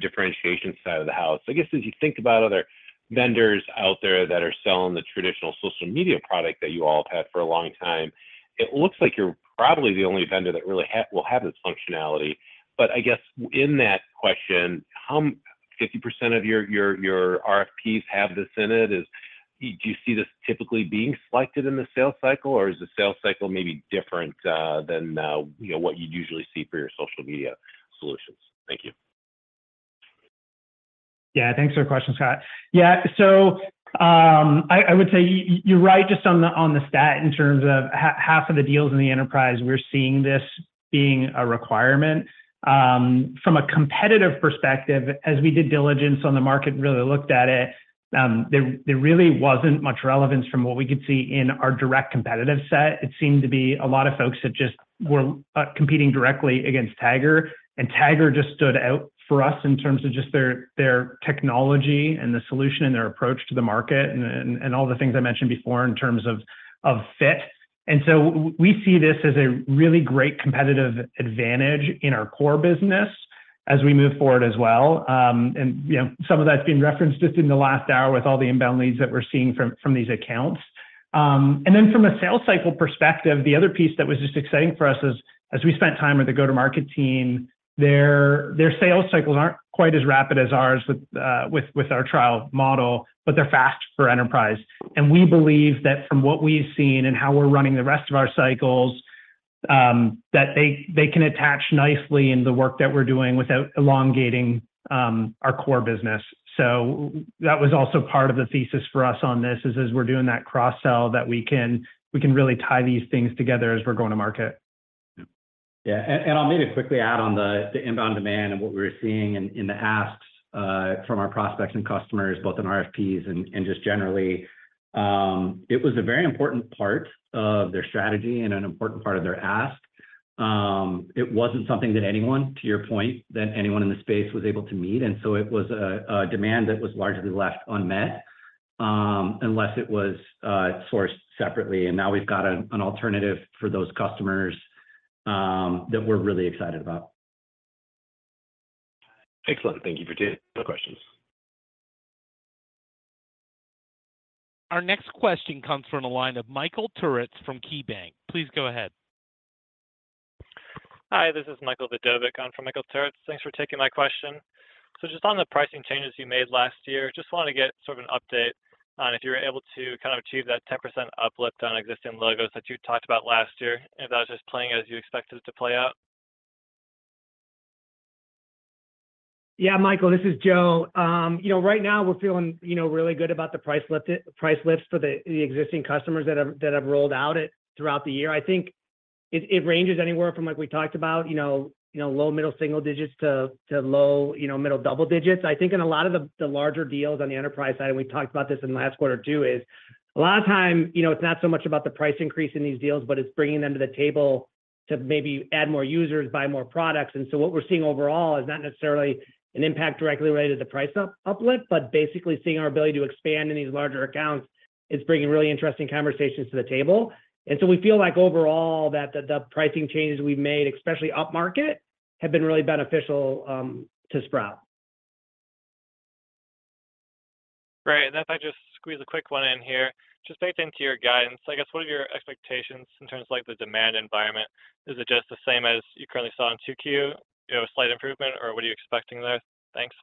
differentiation side of the house. I guess, as you think about other vendors out there that are selling the traditional social media product that you all have had for a long time, it looks like you're probably the only vendor that really will have this functionality. I guess in that question, how 50% of your, your, your RFPs have this in it? Do you see this typically being selected in the sales cycle, or is the sales cycle maybe different than, you know, what you usually see for your social media solutions? Thank you.
Yeah. Thanks for the question, Scott. Yeah, I, I would say you're right, just on the, on the stat in terms of half of the deals in the enterprise, we're seeing this being a requirement. From a competitive perspective, as we did diligence on the market, really looked at it, there really wasn't much relevance from what we could see in our direct competitive set. It seemed to be a lot of folks that just were competing directly against Tagger, Tagger just stood out for us in terms of just their, their technology and the solution and their approach to the market, all the things I mentioned before in terms of fit. We see this as a really great competitive advantage in our core business as we move forward as well. You know, some of that's been referenced just in the last hour with all the inbound leads that we're seeing from, from these accounts. Then from a sales cycle perspective, the other piece that was just exciting for us is, as we spent time with the go-to-market team, their, their sales cycles aren't quite as rapid as ours with, with, with our trial model, but they're fast for enterprise. We believe that from what we've seen and how we're running the rest of our cycles, that they, they can attach nicely in the work that we're doing without elongating our core business. That was also part of the thesis for us on this, is as we're doing that cross-sell, that we can, we can really tie these things together as we're going to market.
Yeah. And I'll maybe quickly add on the inbound demand and what we're seeing in the asks from our prospects and customers, both in RFPs and just generally. It was a very important part of their strategy and an important part of their ask. It wasn't something that anyone, to your point, that anyone in the space was able to meet, and so it was a demand that was largely left unmet, unless it was sourced separately. Now we've got an alternative for those customers that we're really excited about.
Excellent. Thank you for taking the questions.
Our next question comes from the line of Michael Turits from KeyBanc. Please go ahead.
Hi, this is Michael Vidovic. I'm from Michael Turits. Thanks for taking my question. Just on the pricing changes you made last year, just want to get sort of an update on if you were able to achieve that 10% uplift on existing logos that you talked about last year, and if that was just playing as you expected it to play out.
Yeah, Michael, this is Joe. You know, right now we're feeling, you know, really good about the price lifts for the existing customers that have, that have rolled out it throughout the year. I think it, it ranges anywhere from, like we talked about, you know, you know, low-middle single digits to, to low, you know, middle double digits. I think in a lot of the larger deals on the enterprise side, and we talked about this in the last quarter, too, is a lot of time, you know, it's not so much about the price increase in these deals, but it's bringing them to the table to maybe add more users, buy more products. What we're seeing overall is not necessarily an impact directly related to price uplift, but basically seeing our ability to expand in these larger accounts is bringing really interesting conversations to the table. We feel like overall, that the, the pricing changes we've made, especially upmarket, have been really beneficial to Sprout.
Great. If I just squeeze a quick one in here, just back into your guidance, I guess, what are your expectations in terms of, like, the demand environment? Is it just the same as you currently saw in 2Q, you know, a slight improvement, or what are you expecting there? Thanks.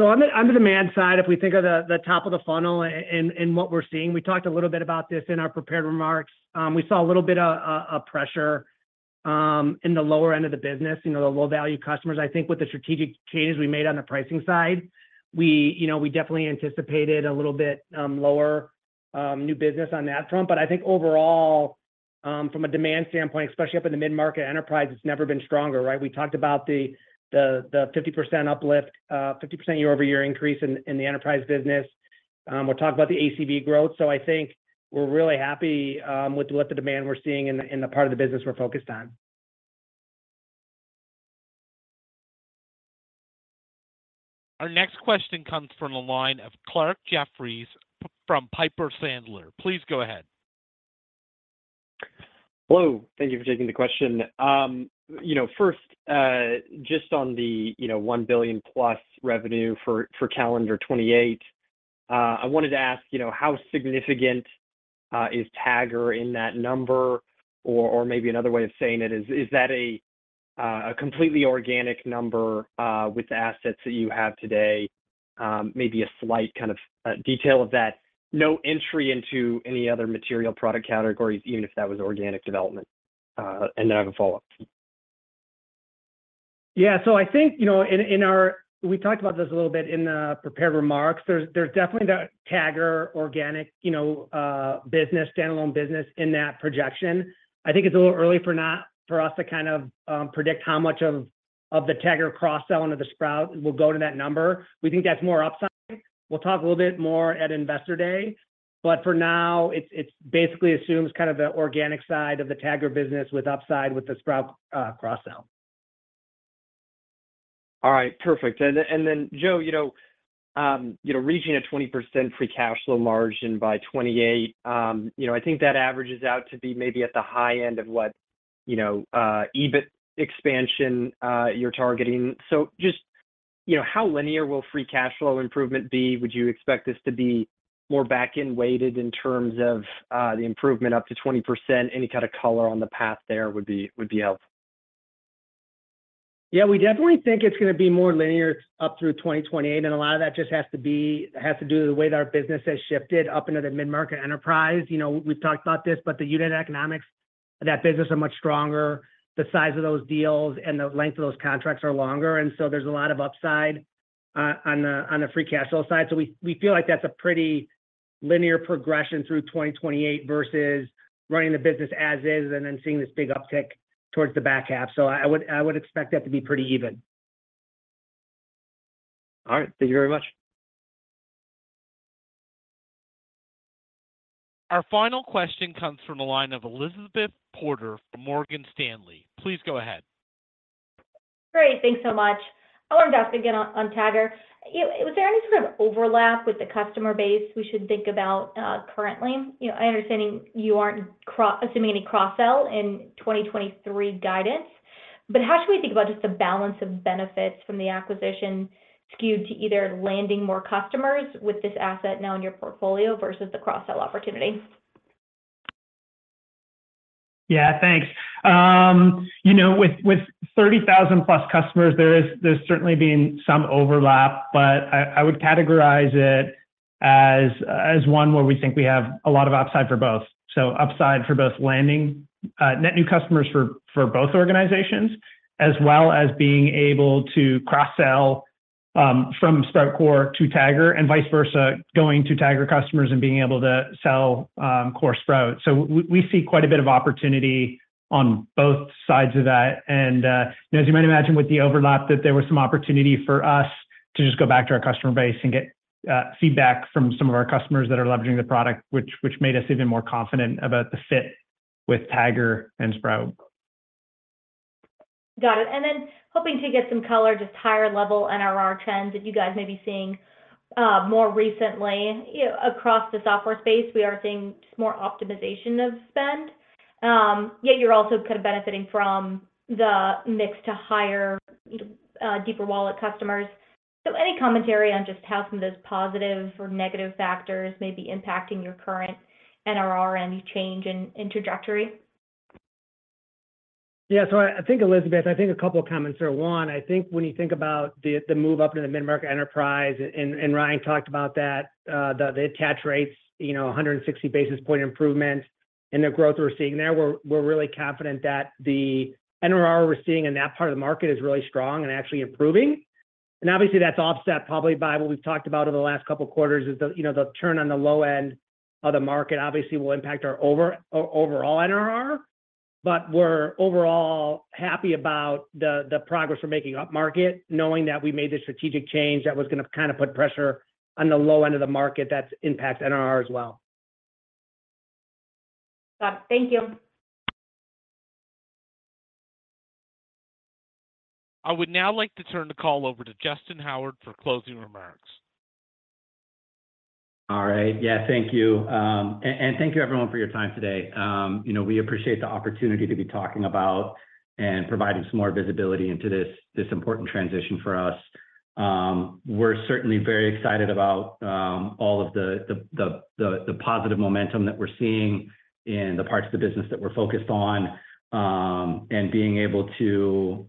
On the, on the demand side, if we think of the, the top of the funnel and what we're seeing, we talked a little bit about this in our prepared remarks. We saw a little bit of pressure in the lower end of the business, you know, the low-value customers. I think with the strategic changes we made on the pricing side, we, you know, we definitely anticipated a little bit lower new business on that front. I think overall, from a demand standpoint, especially up in the mid-market enterprise, it's never been stronger, right? We talked about the 50% uplift, 50% year-over-year increase in the enterprise business. We'll talk about the ACV growth. I think we're really happy, with, with the demand we're seeing in the, in the part of the business we're focused on.
Our next question comes from the line of Clarke Jeffries from Piper Sandler. Please go ahead.
Hello. Thank you for taking the question. You know, first, just on the, you know, $1 billion plus revenue for calendar 2028, I wanted to ask, you know, how significant is Tagger in that number? Or maybe another way of saying it is, is that a completely organic number with the assets that you have today? Maybe a slight kind of detail of that. No entry into any other material product categories, even if that was organic development. Then I have a follow-up.
Yeah. I think, you know, we talked about this a little bit in the prepared remarks. There's, there's definitely the Tagger organic, you know, business, standalone business in that projection. I think it's a little early for us to kind of predict how much of the Tagger cross-sell into the Sprout will go to that number. We think that's more upside. We'll talk a little bit more at Investor Day, but for now, it's, it's basically assumes kind of the organic side of the Tagger business with upside with the Sprout cross-sell.
All right, perfect. Then, Joe, you know, you know, reaching a 20% free cash flow margin by 2028, you know, I think that averages out to be maybe at the high end of what, you know, EBIT expansion, you're targeting. Just, you know, how linear will free cash flow improvement be? Would you expect this to be more back-end weighted in terms of, the improvement up to 20%? Any kind of color on the path there would be, would be helpful.
Yeah, we definitely think it's gonna be more linear up through 2028. A lot of that just has to be, has to do with the way that our business has shifted up into the mid-market enterprise. You know, we've talked about this, the unit economics of that business are much stronger. The size of those deals and the length of those contracts are longer, there's a lot of upside on the, on the free cash flow side. We, we feel like that's a pretty linear progression through 2028 versus running the business as is, and then seeing this big uptick towards the back half. I would, I would expect that to be pretty even.
All right. Thank you very much.
Our final question comes from the line of Elizabeth Porter from Morgan Stanley. Please go ahead.
Great. Thanks so much. I wanted to ask again on, on Tagger. You know, was there any sort of overlap with the customer base we should think about currently? You know, I understand you aren't assuming any cross-sell in 2023 guidance, but how should we think about just the balance of benefits from the acquisition skewed to either landing more customers with this asset now in your portfolio versus the cross-sell opportunity?
Yeah, thanks. You know, with, with 30,000 plus customers, there is, there's certainly been some overlap, but I, I would categorize it as, as one where we think we have a lot of upside for both. Upside for both landing, net new customers for, for both organizations, as well as being able to cross-sell, from Sprout Core to Tagger and vice versa, going to Tagger customers and being able to sell, Core Sprout. We see quite a bit of opportunity on both sides of that. As you might imagine with the overlap, that there was some opportunity for us to just go back to our customer base and get feedback from some of our customers that are leveraging the product, which, which made us even more confident about the fit with Tagger and Sprout.
Got it. Hoping to get some color, just higher level NRR trends that you guys may be seeing more recently. You know, across the software space, we are seeing just more optimization of spend. Yet you're also kind of benefiting from the mix to higher, deeper wallet customers. Any commentary on just how some of those positive or negative factors may be impacting your current NRR and any change in, in trajectory?
Yeah. I think, Elizabeth, I think a couple of comments there. One, I think when you think about the, the move up in the mid-market enterprise, and Ryan talked about that, the, the attach rates, you know, 160 basis point improvement and the growth we're seeing there, we're, we're really confident that the NRR we're seeing in that part of the market is really strong and actually improving. Obviously, that's offset probably by what we've talked about in the last couple of quarters, is the, you know, the turn on the low end of the market obviously will impact our overall NRR. We're overall happy about the, the progress we're making up market, knowing that we made this strategic change that was gonna kind of put pressure on the low end of the market that impacts NRR as well.
Got it. Thank you.
I would now like to turn the call over to Justyn Howard for closing remarks.
All right. Yeah, thank you. And thank you, everyone, for your time today. You know, we appreciate the opportunity to be talking about and providing some more visibility into this, this important transition for us. We're certainly very excited about all of the positive momentum that we're seeing in the parts of the business that we're focused on and being able to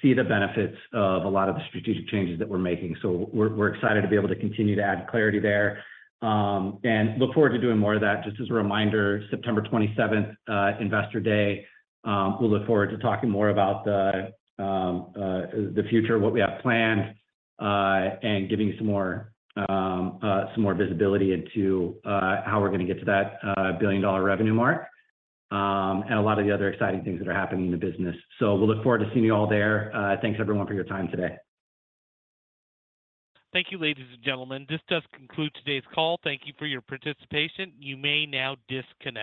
see the benefits of a lot of the strategic changes that we're making. So we're, we're excited to be able to continue to add clarity there and look forward to doing more of that. Just as a reminder, September 27th, Investor Day. Um, we look forward to talking more about the, um, uh, the future, what we have planned, uh, and giving you some more, um, uh, some more visibility into, uh, how we're going to get to that, uh, billion-dollar revenue mark, um, and a lot of the other exciting things that are happening in the business. So we'll look forward to seeing you all there. Uh, thanks, everyone, for your time today.
Thank you, ladies and gentlemen. This does conclude today's call. Thank you for your participation. You may now disconnect.